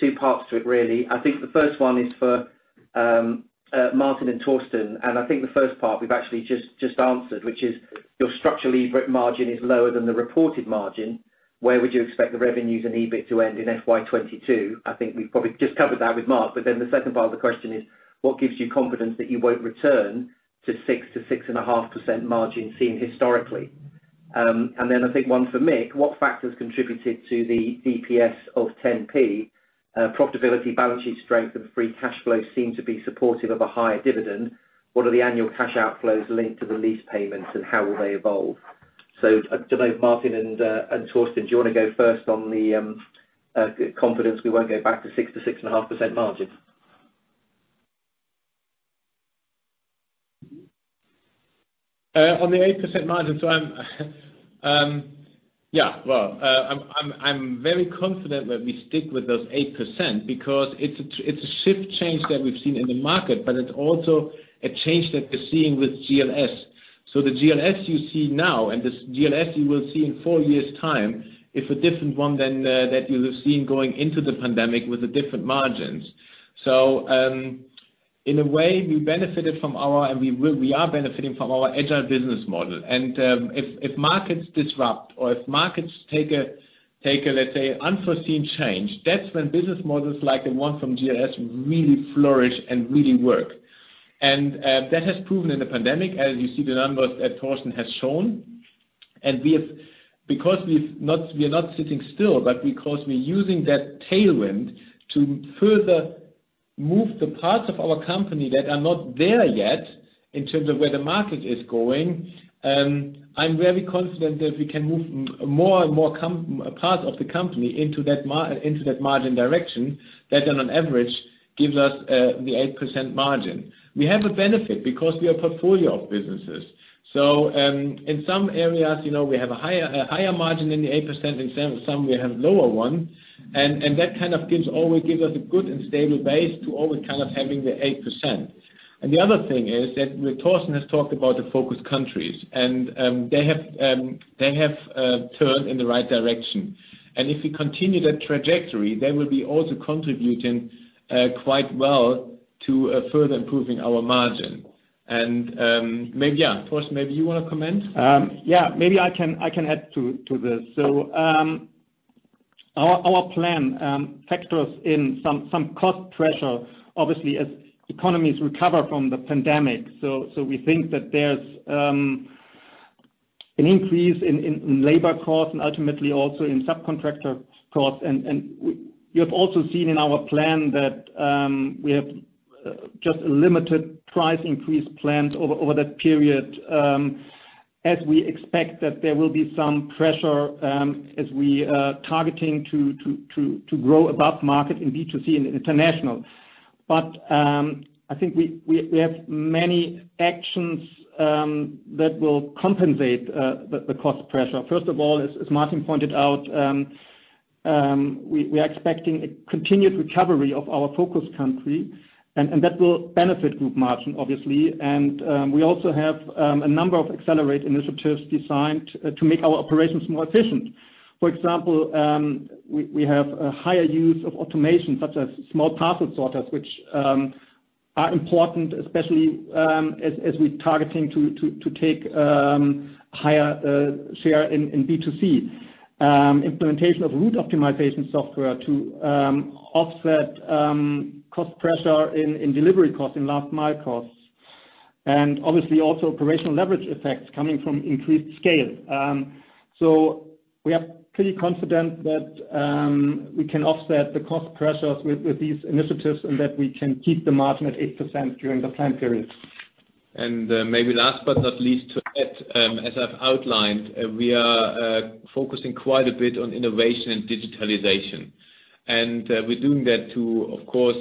Two parts to it, really. I think the first one is for Martin and Thorsten. I think the first part we have actually just answered, which is your structural EBIT margin is lower than the reported margin. Where would you expect the revenues and EBIT to end in FY 2022? I think we have probably just covered that with Mark. The second part of the question is, what gives you confidence that you won't return to 6%-6.5% margin seen historically? I think one for Mick. What factors contributed to the DPS of 0.10? Profitability, balance sheet strength, and free cash flow seem to be supportive of a higher dividend. What are the annual cash outflows linked to the lease payments, and how will they evolve? I don't know, Martin and Thorsten, do you want to go first on the confidence we won't go back to 6%-6.5% margin? On the 8% margin. Yeah. Well, I'm very confident that we stick with those 8% because it's a shift change that we've seen in the market, but it's also a change that we're seeing with GLS. The GLS you see now, and the GLS you will see in four years' time, is a different one than that you have seen going into the pandemic with the different margins. In a way, we benefited from our, and we are benefiting from our agile business model. If markets disrupt or if markets take a, let's say, unforeseen change, that's when business models like the one from GLS really flourish and really work. That has proven in the pandemic, as you see the numbers that Thorsten has shown. Because we are not sitting still, but because we're using that tailwind to further move the parts of our company that are not there yet in terms of where the market is goin. I'm very confident that we can move more and more parts of the company into that margin direction that then on average, gives us the 8% margin. We have a benefit because we are a portfolio of businesses. In some areas, we have a higher margin than the 8%, in some we have lower one. That kind of gives us a good and stable base to always having the 8%. The other thing is that Thorsten has talked about the focus countries, and they have turned in the right direction. If we continue that trajectory, they will be also contributing quite well to further improving our margin. Thorsten, maybe you want to comment? Yeah, maybe I can add to this. Our plan factors in some cost pressure, obviously, as economies recover from the pandemic. We think that there's an increase in labor cost and ultimately also in subcontractor costs. You have also seen in our plan that we have just limited price increase plans over that period, as we expect that there will be some pressure as we are targeting to grow above market in B2C and international. I think we have many actions that will compensate the cost pressure. First of all, as Martin pointed out. We are expecting a continued recovery of our focus country, and that will benefit group margin, obviously. We also have a number of Accelerate initiatives designed to make our operations more efficient. For example, we have a higher use of automation such as small parcel sorters, which are important, especially as we're targeting to take higher share in B2C. Implementation of route optimization software to offset cost pressure in delivery costs, in last mile costs. Obviously also operational leverage effects coming from increased scale. We are pretty confident that we can offset the cost pressures with these initiatives and that we can keep the margin at 8% during the plan period. Maybe last but not least to add, as I've outlined, we are focusing quite a bit on innovation and digitalization. We're doing that to, of course,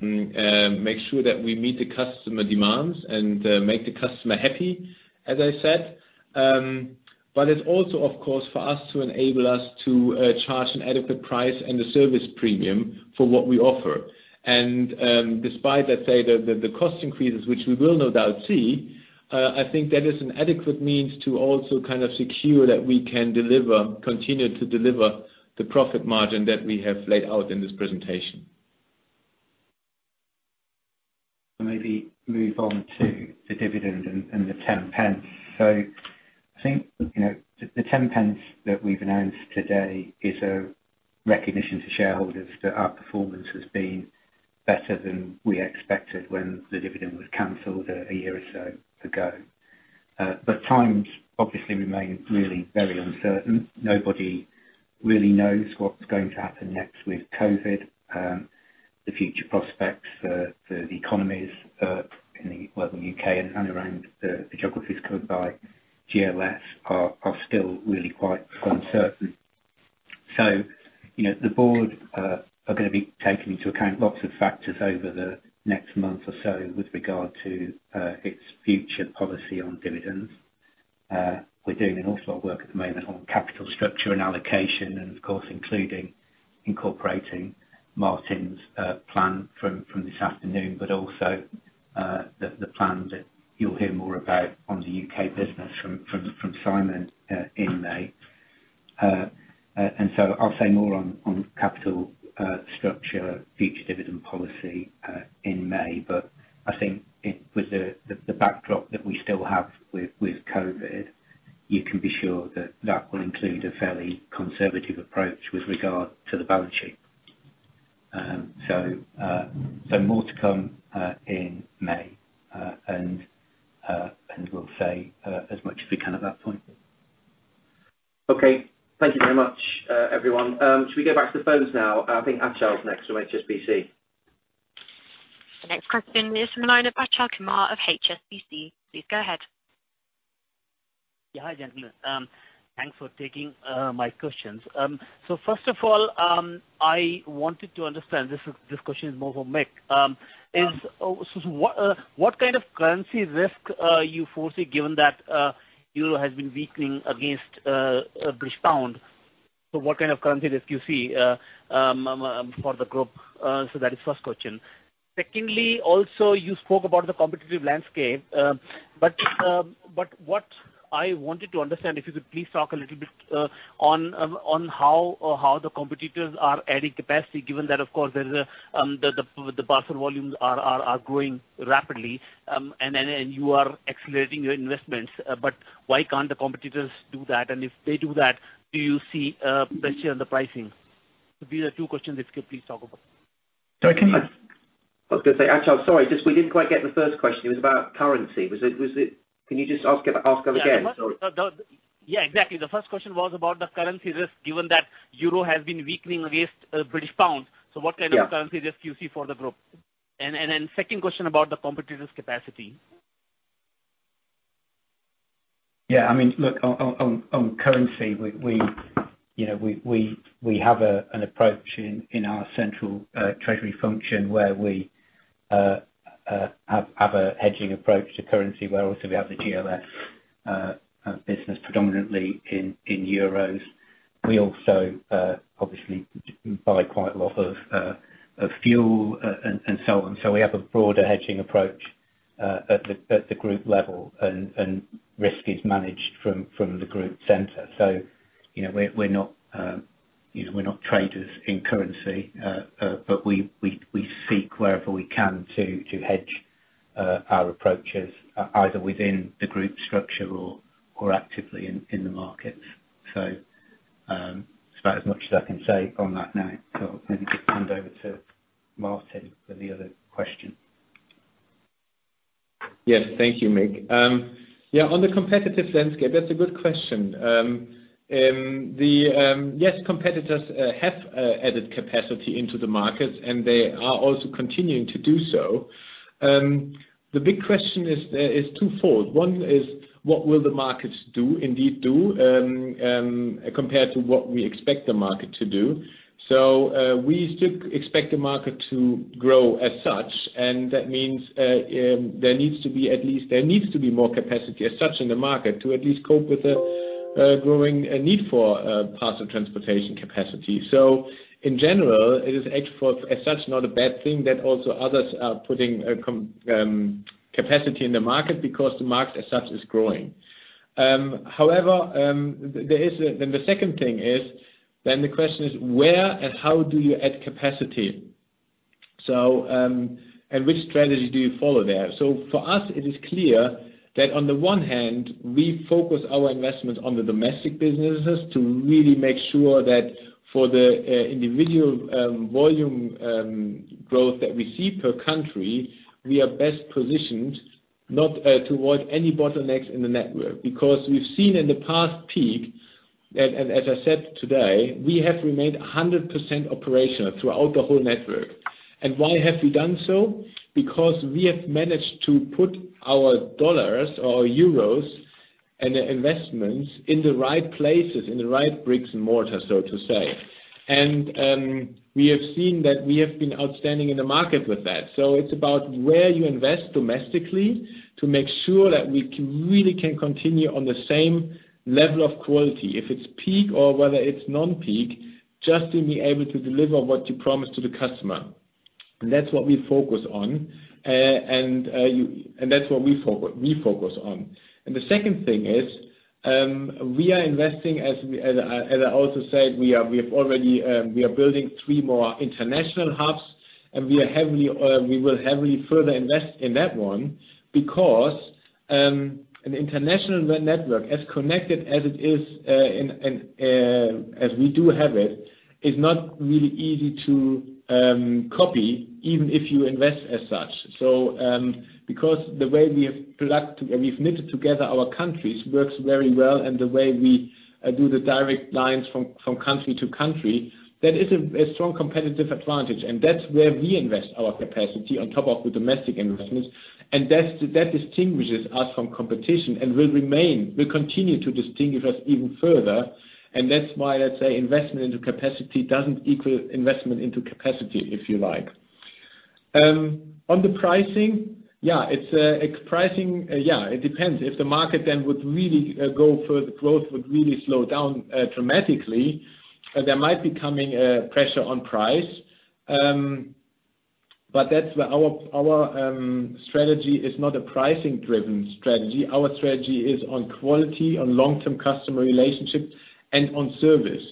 make sure that we meet the customer demands and make the customer happy, as I said. It's also, of course, for us to enable us to charge an adequate price and a service premium for what we offer. Despite, let's say, the cost increases, which we will no doubt see, I think that is an adequate means to also kind of secure that we can continue to deliver the profit margin that we have laid out in this presentation. Maybe move on to the dividend and the 0.10. I think the 0.10 that we've announced today is a recognition to shareholders that our performance has been better than we expected when the dividend was canceled a year or so ago. Times obviously remain really very uncertain. Nobody really knows what's going to happen next with COVID. The future prospects for the economies in the U.K. and around the geographies covered by GLS are still really quite uncertain. The board are going to be taking into account lots of factors over the next month or so with regard to its future policy on dividends. We're doing an awful lot of work at the moment on capital structure and allocation, of course, including incorporating Martin's plan from this afternoon, also the plan that you'll hear more about on the U.K. business from Simon in May. I'll say more on capital structure, future dividend policy in May. I think with the backdrop that we still have with COVID, you can be sure that that will include a fairly conservative approach with regard to the balance sheet. More to come in May, and we'll say as much as we can at that point. Okay. Thank you very much, everyone. Shall we go back to the phones now? I think Achal is next from HSBC. The next question is from the line of Achal Kumar of HSBC. Please go ahead. Hi, gentlemen. Thanks for taking my questions. First of all, I wanted to understand, this question is more for Mick. What kind of currency risk you foresee given that euro has been weakening against British pound? What kind of currency risk you see for the group? That is first question. Secondly, also, you spoke about the competitive landscape. What I wanted to understand, if you could please talk a little bit on how the competitors are adding capacity, given that, of course, the parcel volumes are growing rapidly, and you are accelerating your investments. Why can't the competitors do that? If they do that, do you see pressure on the pricing? These are two questions if you could please talk about. So can you- I was going to say, Achal, sorry. We didn't quite get the first question. It was about currency. Can you just ask them again? Sorry. Yeah, exactly. The first question was about the currency risk, given that euro has been weakening against British pound. What kind of currency risk you see for the group? Second question about the competitors' capacity. Look, on currency, we have an approach in our central treasury function where we have a hedging approach to currency, where obviously we have the GLS business predominantly in euros. We also obviously buy quite a lot of fuel and so on. We have a broader hedging approach at the group level, and risk is managed from the group center. We're not traders in currency, but we seek wherever we can to hedge our approaches, either within the group structure or more actively in the markets. That's about as much as I can say on that now. Maybe just hand over to Martin for the other question. Yes. Thank you, Mick. Yeah, on the competitive landscape, that's a good question. Yes, competitors have added capacity into the markets, and they are also continuing to do so. The big question is twofold. One is what will the markets indeed do compared to what we expect the market to do. We still expect the market to grow as such, and that means there needs to be more capacity as such in the market to at least cope with the growing need for parcel transportation capacity. In general, it is as such not a bad thing that also others are putting capacity in the market because the market as such is growing. However, then the second thing is, then the question is where and how do you add capacity? Which strategy do you follow there? For us, it is clear that on the one hand, we focus our investment on the domestic businesses to really make sure that for the individual volume growth that we see per country, we are best positioned not to want any bottlenecks in the network. We've seen in the past peak, and as I said today, we have remained 100% operational throughout the whole network. Why have we done so? We have managed to put our dollars or euros and investments in the right places, in the right bricks and mortar, so to say. We have seen that we have been outstanding in the market with that. It's about where you invest domestically to make sure that we really can continue on the same level of quality. If it's peak or whether it's non-peak, just to be able to deliver what you promised to the customer. That's what we focus on. The second thing is, we are investing, as I also said, we are building three more international hubs, and we will heavily further invest in that one because, an international network, as connected as it is and as we do have it, is not really easy to copy, even if you invest as such. Because the way we've knitted together our countries works very well and the way we do the direct lines from country to country, that is a strong competitive advantage. That's where we invest our capacity on top of the domestic investments. That distinguishes us from competition and will continue to distinguish us even further. That's why I say investment into capacity doesn't equal investment into capacity, if you like. On the pricing, yeah, it depends. If the market then would really go further, growth would really slow down dramatically, there might be coming pressure on price. Our strategy is not a pricing-driven strategy. Our strategy is on quality, on long-term customer relationship, and on service.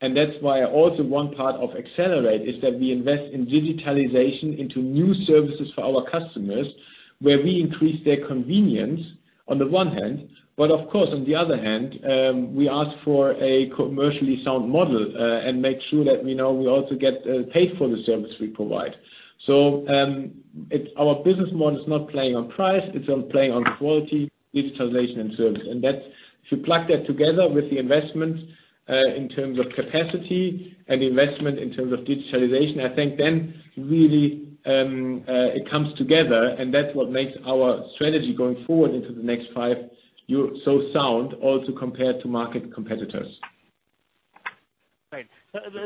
That's why also one part of Accelerate is that we invest in digitalization into new services for our customers, where we increase their convenience on the one hand, but of course, on the other hand, we ask for a commercially sound model, and make sure that we also get paid for the service we provide. Our business model is not playing on price, it's on playing on quality, digitalization, and service. If you plug that together with the investments, in terms of capacity and investment in terms of digitalization, I think then really, it comes together and that's what makes our strategy going forward into the next five years so sound, also compared to market competitors. Right.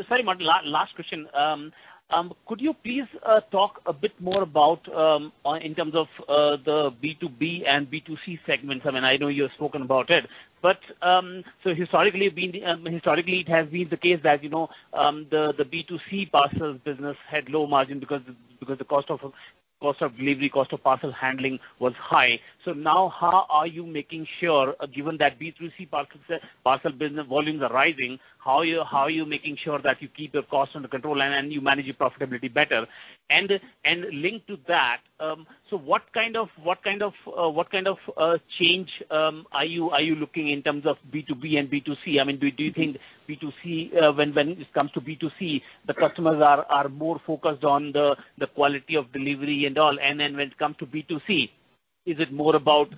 Sorry, Martin, last question. Could you please talk a bit more about, in terms of the B2B and B2C segments? I know you have spoken about it, but historically, it has been the case that the B2C parcels business had low margin because the cost of delivery, cost of parcel handling was high. Now how are you making sure, given that B2C parcel business volumes are rising, how are you making sure that you keep your costs under control and you manage your profitability better? Linked to that, what kind of change are you looking in terms of B2B and B2C? Do you think when it comes to B2C, the customers are more focused on the quality of delivery and all? When it comes to B2C, is it more about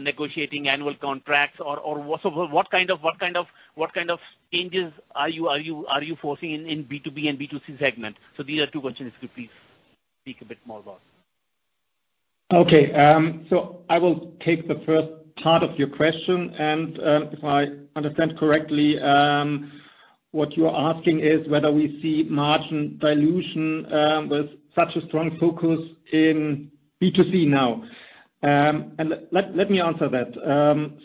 negotiating annual contracts or what kind of changes are you foresee in B2B and B2C segment? These are two questions, could you please speak a bit more about? Okay. I will take the first part of your question, and if I understand correctly, what you are asking is whether we see margin dilution with such a strong focus in B2C now. Let me answer that.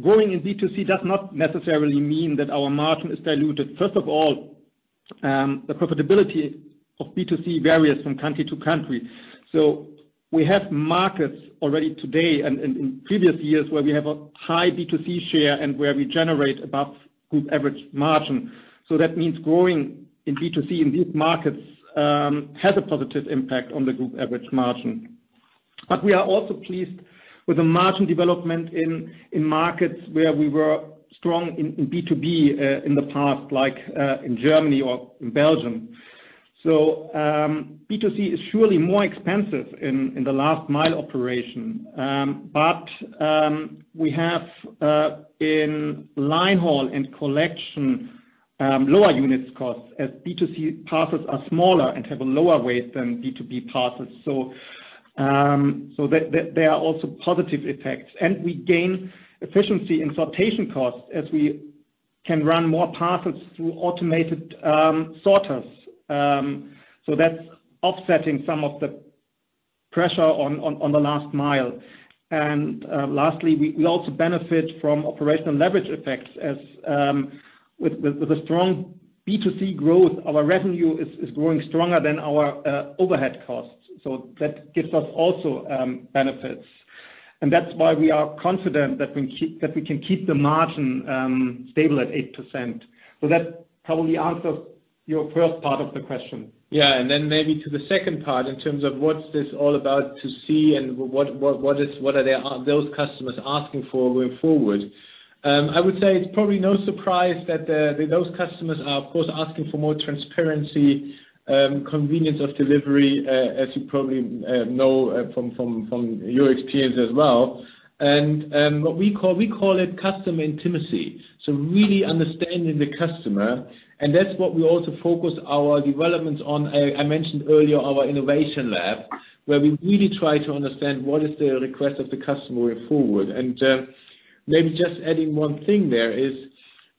Growing in B2C does not necessarily mean that our margin is diluted. First of all, the profitability of B2C varies from country to country. We have markets already today and in previous years where we have a high B2C share and where we generate above group average margin. That means growing in B2C in these markets has a positive impact on the group average margin. We are also pleased with the margin development in markets where we were strong in B2B, in the past, like in Germany or in Belgium. B2C is surely more expensive in the last mile operation. We have, in line haul and collection, lower unit costs as B2C parcels are smaller and have a lower weight than B2B parcels. There are also positive effects, and we gain efficiency in sortation costs as we can run more parcels through automated sorters. That's offsetting some of the pressure on the last mile. Lastly, we also benefit from operational leverage effects. With the strong B2C growth, our revenue is growing stronger than our overhead costs. That gives us also benefits. That's why we are confident that we can keep the margin stable at 8%. That probably answers your first part of the question. Then maybe to the second part, in terms of what's this all about to see and what are those customers asking for going forward? I would say it's probably no surprise that those customers are, of course, asking for more transparency, convenience of delivery, as you probably know from your experience as well, what we call it customer intimacy. Really understanding the customer, and that's what we also focus our developments on. I mentioned earlier our innovation lab, where we really try to understand what is the request of the customer going forward. Maybe just adding one thing there is,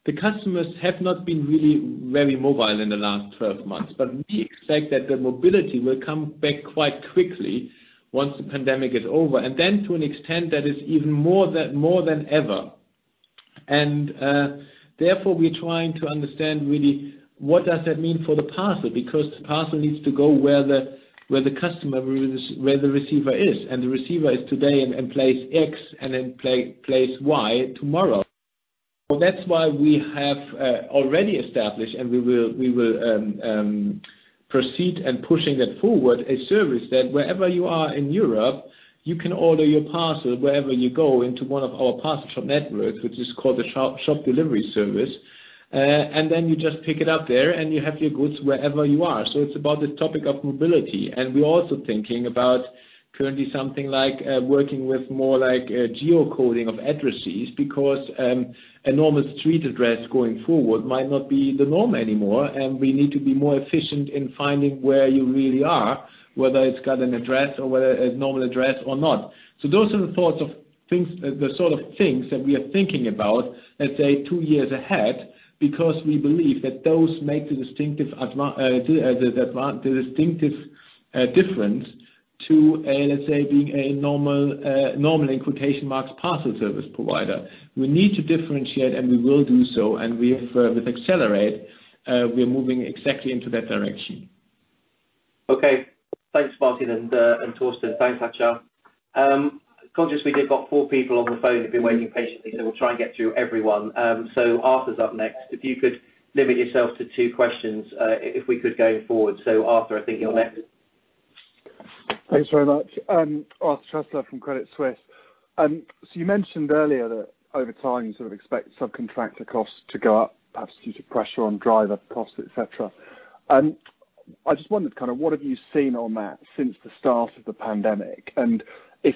the customers have not been really very mobile in the last 12 months. We expect that the mobility will come back quite quickly once the pandemic is over. Then to an extent that is even more than ever. Therefore, we're trying to understand really what does that mean for the parcel, because the parcel needs to go where the customer, where the receiver is. The receiver is today in place X and in place Y tomorrow. That's why we have already established, and we will proceed in pushing that forward, a service that wherever you are in Europe, you can order your parcel wherever you go into one of our parcel shop networks, which is called the ShopDeliveryService service. Then you just pick it up there, and you have your goods wherever you are. It's about the topic of mobility. We're also thinking about currently something like working with more like geocoding of addresses, because a normal street address going forward might not be the norm anymore, and we need to be more efficient in finding where you really are, whether it's got a normal address or not. Those are the sort of things that we are thinking about, let's say, two years ahead, because we believe that those make the distinctive difference to, let's say, being a normal, in quotation marks, parcel service provider. We need to differentiate, and we will do so. With Accelerate, we are moving exactly into that direction. Okay. Thanks, Martin and Thorsten. Thanks a bunch. Conscious we did got four people on the phone who've been waiting patiently, we'll try and get through everyone. Arthur's up next. If you could limit yourself to two questions, if we could, going forward. Arthur, I think you're next. Thanks very much. Arthur Truslove from Credit Suisse. You mentioned earlier that over time, you sort of expect subcontractor costs to go up, perhaps due to pressure on driver costs, et cetera. I just wondered, what have you seen on that since the start of the pandemic? If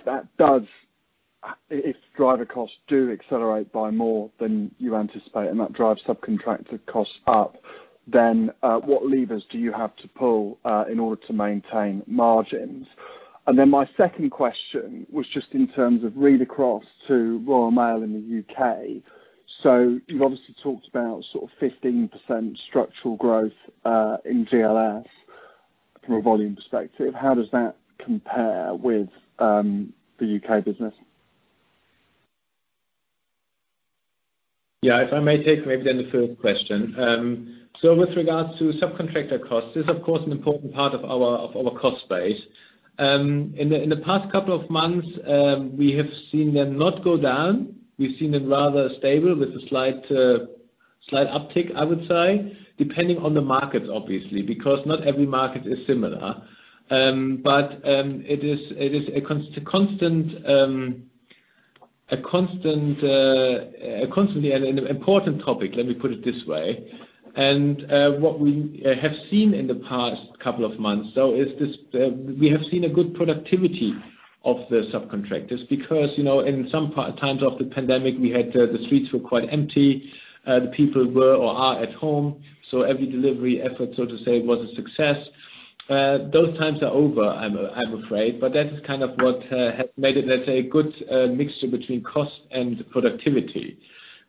driver costs do accelerate by more than you anticipate, and that drives subcontractor costs up, then what levers do you have to pull in order to maintain margins? My second question was just in terms of read across to Royal Mail in the U.K. You've obviously talked about sort of 15% structural growth, in GLS from a volume perspective. How does that compare with the U.K. business? Yeah. If I may take maybe then the first question. With regards to subcontractor costs, this is, of course, an important part of our cost base. In the past couple of months, we have seen them not go down. We've seen them rather stable with a slight uptake, I would say, depending on the market, obviously, because not every market is similar. It is a constantly important topic, let me put it this way. What we have seen in the past couple of months, though, is we have seen a good productivity of the subcontractors because, in some times of the pandemic, the streets were quite empty. The people were or are at home. Every delivery effort, so to say, was a success. Those times are over, I'm afraid. That is kind of what has made it, let's say, a good mixture between cost and productivity.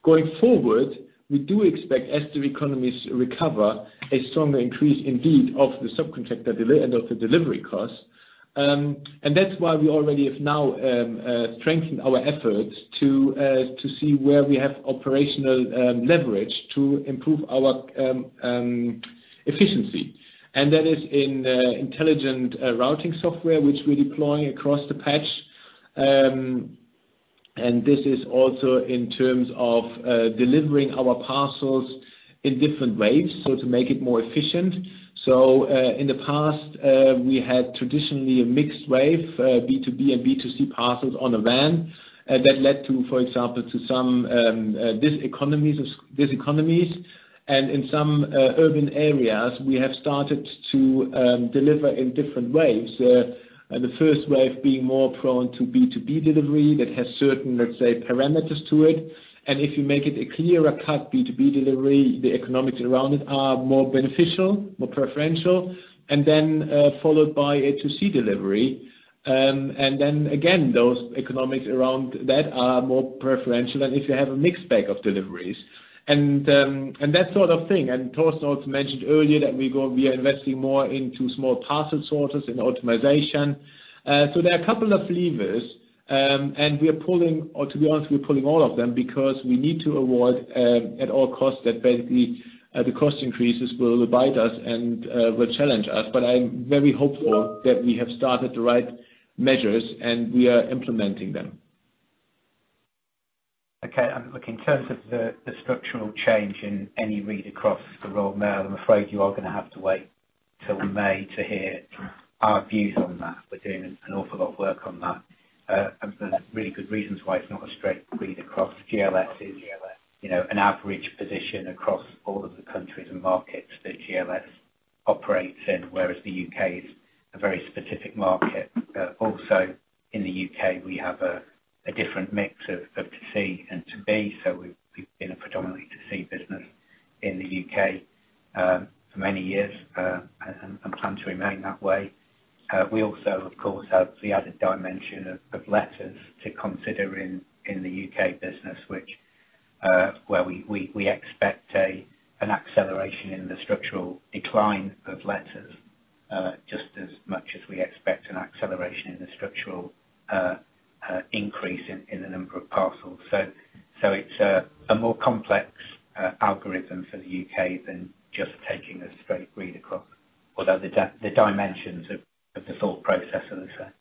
Going forward, we do expect, as the economies recover, a stronger increase indeed of the subcontractor and of the delivery costs. That's why we already have now strengthened our efforts to see where we have operational leverage to improve our efficiency. That is in intelligent routing software, which we're deploying across the patch. This is also in terms of delivering our parcels in different waves, so to make it more efficient. In the past, we had traditionally a mixed wave, B2B and B2C parcels on a van. That led to, for example, to some diseconomies. In some urban areas, we have started to deliver in different waves. The first wave being more prone to B2B delivery that has certain, let's say, parameters to it. If you make it a clearer cut B2B delivery, the economics around it are more beneficial, more preferential, then followed by B2C delivery. Then again, those economics around that are more preferential than if you have a mixed bag of deliveries. That sort of thing. Thorsten also mentioned earlier that we are investing more into small parcel sources and automation. There are a couple of levers, and to be honest, we're pulling all of them because we need to avoid at all costs that basically the cost increases will abide us and will challenge us. I'm very hopeful that we have started the right measures, and we are implementing them. Okay. Look, in terms of the structural change in any read across the Royal Mail, I'm afraid you are going to have to wait till May to hear our views on that. We're doing an awful lot of work on that. There are really good reasons why it's not a straight read across. GLS is an average position across all of the countries and markets that GLS operates in, whereas the U.K. is a very specific market. Also, in the U.K. we have a different mix of to C and to B, so we've been a predominantly to C business in the U.K. for many years, and plan to remain that way. We also, of course, have the added dimension of letters to consider in the U.K. business, where we expect an acceleration in the structural decline of letters, just as much as we expect an acceleration in the structural increase in the number of parcels. It's a more complex algorithm for the U.K. than just taking a straight read across. The dimensions of the thought process are the same.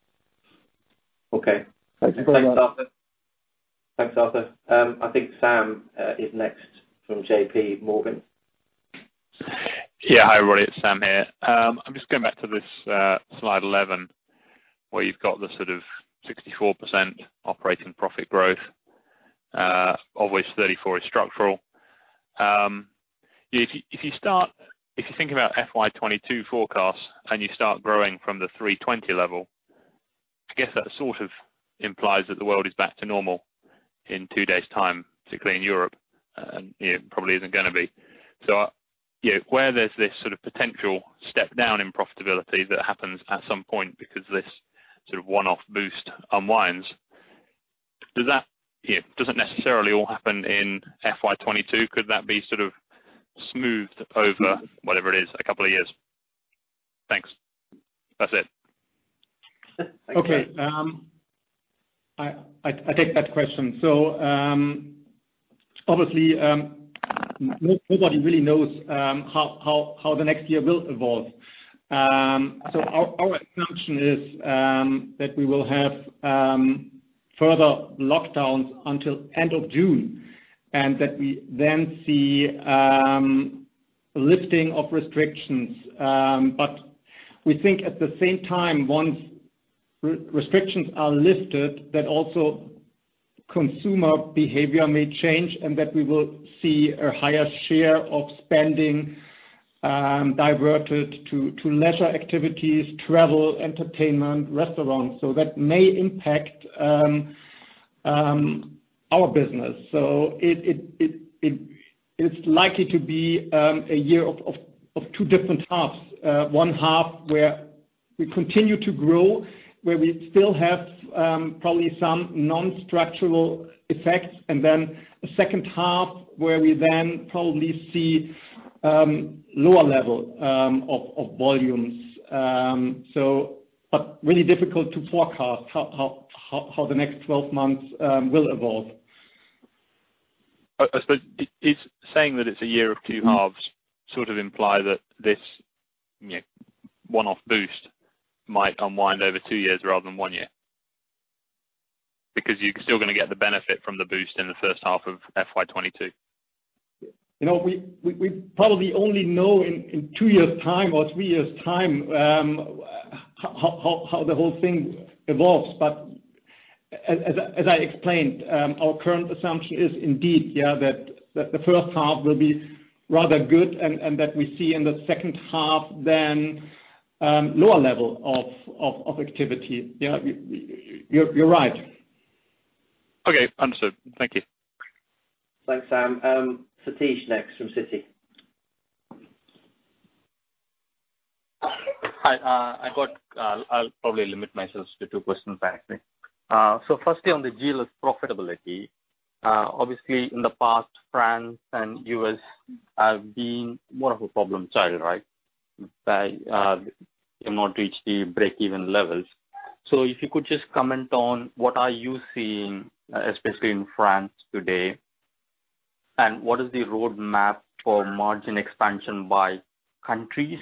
Okay. Thanks a lot. Thanks, Arthur. I think Sam is next from JPMorgan. Hi, everybody. It's Sam here. I'm just going back to this slide 11, where you've got the 64% operating profit growth, of which 34 is structural. If you think about FY 2022 forecasts and you start growing from the 320 level, I guess that sort of implies that the world is back to normal in two days' time, particularly in Europe. It probably isn't going to be. Where there's this sort of potential step down in profitability that happens at some point because this sort of one-off boost unwinds, does it necessarily all happen in FY 2022? Could that be sort of smoothed over whatever it is, a couple of years? Thanks. That's it. Okay. I take that question. Obviously, nobody really knows how the next year will evolve. Our assumption is that we will have further lockdowns until end of June, and that we then see lifting of restrictions. We think at the same time, once restrictions are lifted, that also consumer behavior may change and that we will see a higher share of spending diverted to leisure activities, travel, entertainment, restaurants. That may impact our business. It's likely to be a year of two different halves. One half where we continue to grow, where we still have probably some non-structural effects, and then a second half where we then probably see lower level of volumes. Really difficult to forecast how the next 12 months will evolve. I suppose, is saying that it's a year of two halves sort of imply that this one-off boost might unwind over two years rather than one year? You're still going to get the benefit from the boost in the first half of FY 2022. We probably only know in two years' time or three years' time how the whole thing evolves. As I explained, our current assumption is indeed, yeah, that the first half will be rather good and that we see in the second half then lower level of activity. You're right. Okay. Understood. Thank you. Thanks, Sam. Satish next from Citi. Hi. I'll probably limit myself to two questions, actually. Firstly, on the deal of profitability. Obviously, in the past, France and U.S. have been more of a problem child, right? They have not reached the breakeven levels. If you could just comment on what are you seeing, especially in France today, and what is the roadmap for margin expansion by countries,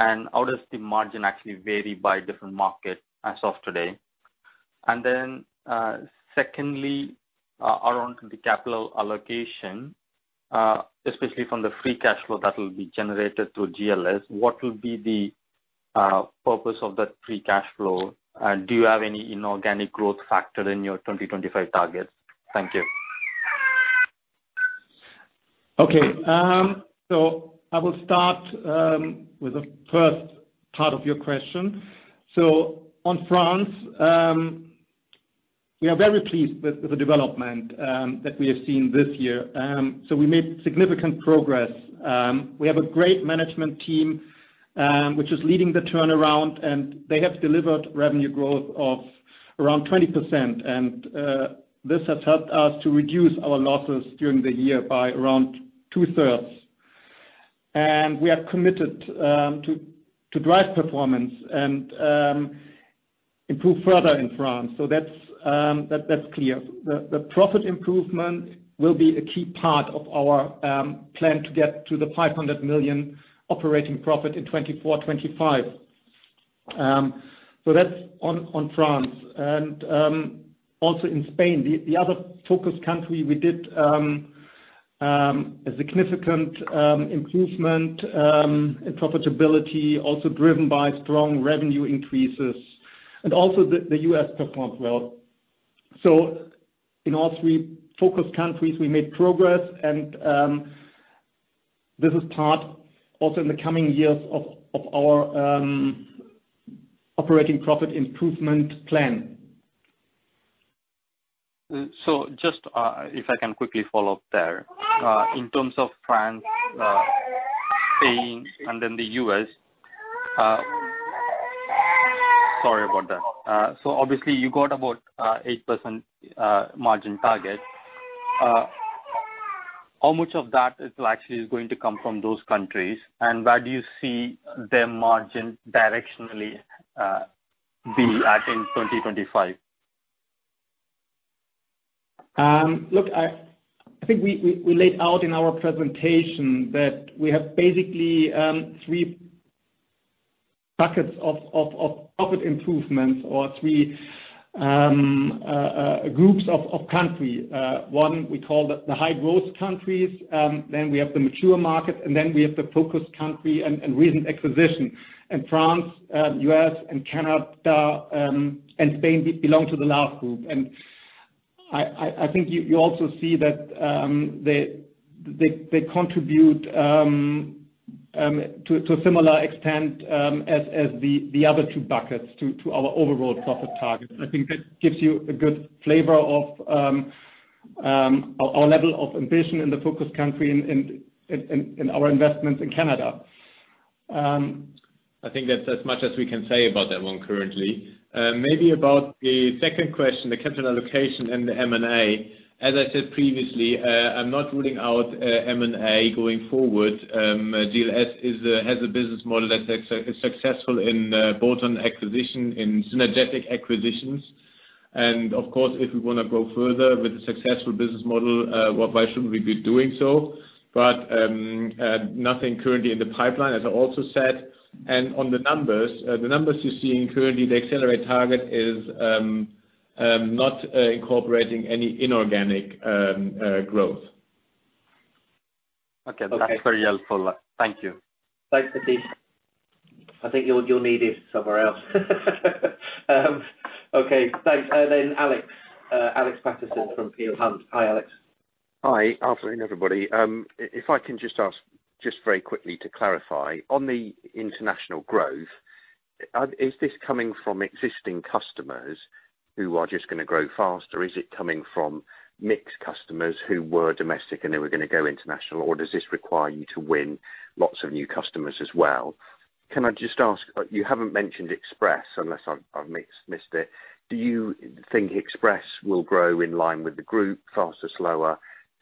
and how does the margin actually vary by different market as of today? Secondly, around the capital allocation, especially from the free cash flow that will be generated through GLS, what will be the purpose of that free cash flow? Do you have any inorganic growth factor in your 2025 targets? Thank you. Okay. I will start with the first part of your question. On France, we are very pleased with the development that we have seen this year. We made significant progress. We have a great management team, which is leading the turnaround, and they have delivered revenue growth of around 20%, and this has helped us to reduce our losses during the year by around two-thirds. We are committed to drive performance and improve further in France. That's clear. The profit improvement will be a key part of our plan to get to 500 million operating profit in 2024, 2025. That's on France. Also in Spain, the other focus country, we did a significant improvement in profitability, also driven by strong revenue increases. Also the U.S. performed well. In all three focus countries, we made progress and this is part also in the coming years of our operating profit improvement plan. Just, if I can quickly follow up there. In terms of France, Spain, and then the U.S. Sorry about that. Obviously you got about 8% margin target. How much of that is actually going to come from those countries, and where do you see their margin directionally be at in 2025? Look, I think we laid out in our presentation that we have basically three buckets of profit improvements or three groups of country. One, we call the high growth countries, then we have the mature market, and then we have the focus country and recent acquisition. France, U.S., and Canada, and Spain belong to the last group. I think you also see that they contribute to a similar extent as the other two buckets to our overall profit targets. I think that gives you a good flavor of our level of ambition in the focus country and our investments in Canada. I think that's as much as we can say about that one currently. Maybe about the second question, the capital allocation and the M&A. As I said previously, I'm not ruling out M&A going forward. GLS has a business model that is successful in bolt-on acquisition, in synergetic acquisitions. Of course, if we want to go further with a successful business model, why shouldn't we be doing so? Nothing currently in the pipeline, as I also said. On the numbers, the numbers you're seeing currently, the Accelerate target is not incorporating any inorganic growth. Okay. That's very helpful. Thank you. Thanks, Prateek. I think you're needed somewhere else. Okay, thanks. Then Alex. Alex Paterson from Peel Hunt. Hi, Alex. Hi, afternoon, everybody. If I can just ask, just very quickly to clarify. On the international growth, is this coming from existing customers who are just going to grow faster, or is it coming from mixed customers who were domestic and they were going to go international, or does this require you to win lots of new customers as well? Can I just ask, you haven't mentioned Express, unless I've missed it. Do you think Express will grow in line with the group, faster, slower?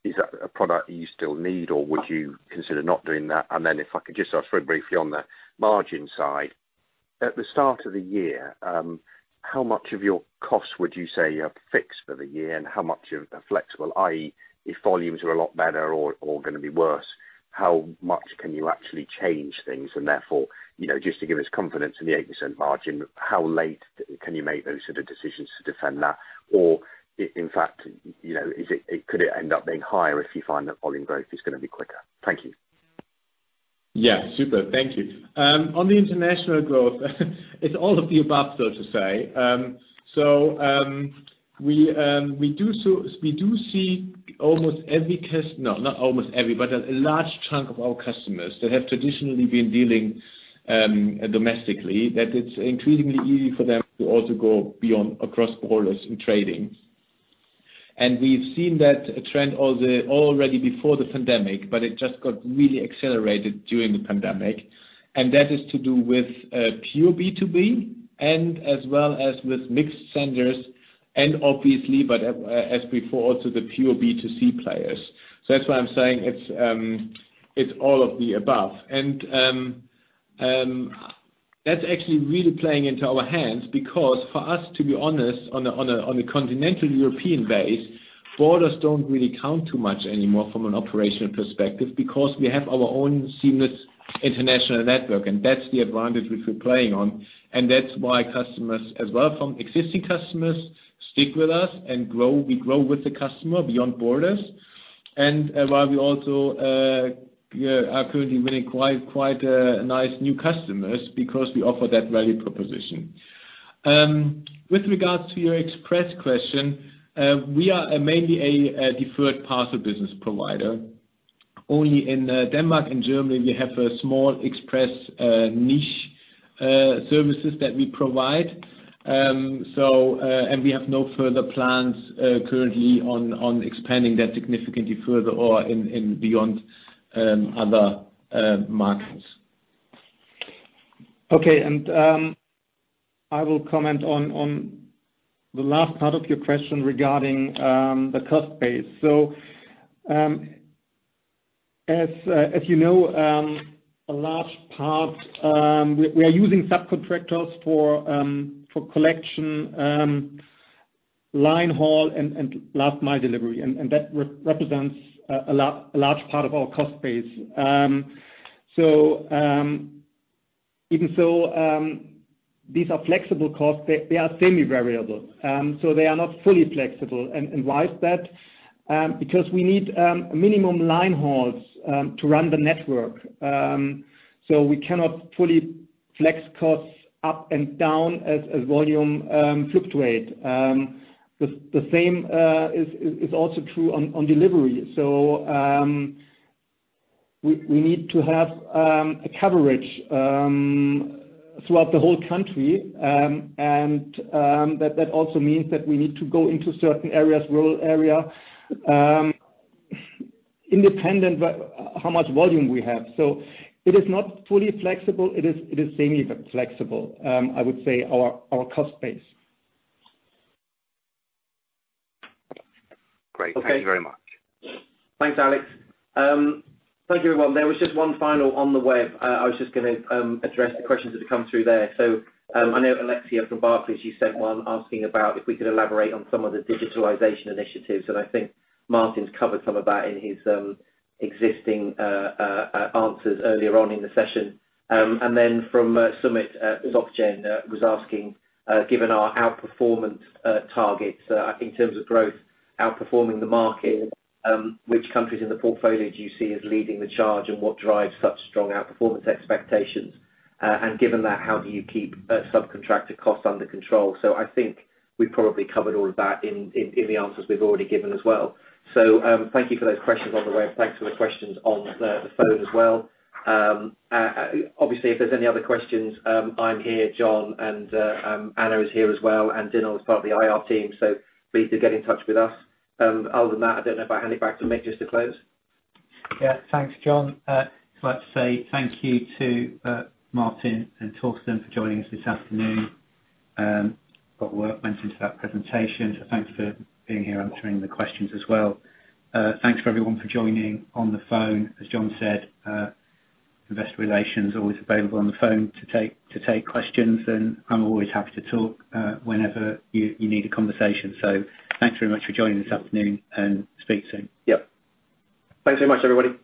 Is that a product that you still need or would you consider not doing that? Then if I could just ask very briefly on the margin side. At the start of the year, how much of your cost would you say you have fixed for the year and how much is flexible, i.e., if volumes are a lot better or going to be worse, how much can you actually change things and therefore, just to give us confidence in the 8% margin, how late can you make those sort of decisions to defend that? In fact, could it end up being higher if you find that volume growth is going to be quicker? Thank you. Yeah. Super. Thank you. On the international growth, it's all of the above, so to say. We do see a large chunk of our customers that have traditionally been dealing domestically, that it's increasingly easy for them to also go beyond across borders in trading. We've seen that trend already before the pandemic, but it just got really accelerated during the pandemic. That is to do with pure B2B and as well as with mixed senders and obviously, but as before, also the pure B2C players. That's why I'm saying it's all of the above. That's actually really playing into our hands because for us, to be honest, on a continental European base, borders don't really count too much anymore from an operational perspective because we have our own seamless international network, and that's the advantage which we are playing on. That's why customers as well from existing customers stick with us and grow. We grow with the customer beyond borders. While we also are currently winning quite nice new customers because we offer that value proposition. With regards to your express question, we are mainly a deferred parcel business provider. Only in Denmark and Germany we have a small express niche services that we provide. We have no further plans currently on expanding that significantly further or in beyond other markets. Okay. I will comment on the last part of your question regarding the cost base. As you know, a large part, we are using subcontractors for collection, line haul, and last mile delivery, and that represents a large part of our cost base. Even so, these are flexible costs. They are semi-variable. They are not fully flexible. Why is that? Because we need minimum line hauls to run the network. We cannot fully flex costs up and down as volume fluctuate. The same is also true on delivery. We need to have a coverage throughout the whole country, and that also means that we need to go into certain areas, rural area, independent how much volume we have. It is not fully flexible. It is semi-flexible, I would say, our cost base. Great. Okay. Thank you very much. Thanks, Alex. Thank you, everyone. There was just one final on the web. I was just going to address the questions that have come through there. I know Alexia from Barclays, you sent one asking about if we could elaborate on some of the digitalization initiatives, and I think Martin's covered some of that in his existing answers earlier on in the session. From Summit, Zog Jen was asking, given our outperformance targets, I think in terms of growth, outperforming the market, which countries in the portfolio do you see as leading the charge and what drives such strong outperformance expectations? Given that, how do you keep subcontractor costs under control? I think we probably covered all of that in the answers we've already given as well. Thank you for those questions on the web. Thanks for the questions on the phone as well. Obviously, if there's any other questions, I'm here, John, and Anna is here as well, and Dinah is part of the IR team. Please do get in touch with us. Other than that, I don't know if I hand it back to Mick just to close. Yeah. Thanks, John. Just like to say thank you to Martin and Thorsten for joining us this afternoon. Lot of work went into that presentation, so thanks for being here answering the questions as well. Thanks for everyone for joining on the phone. As John said, investor relations always available on the phone to take questions, and I'm always happy to talk whenever you need a conversation. Thanks very much for joining this afternoon and speak soon. Yep. Thanks very much, everybody.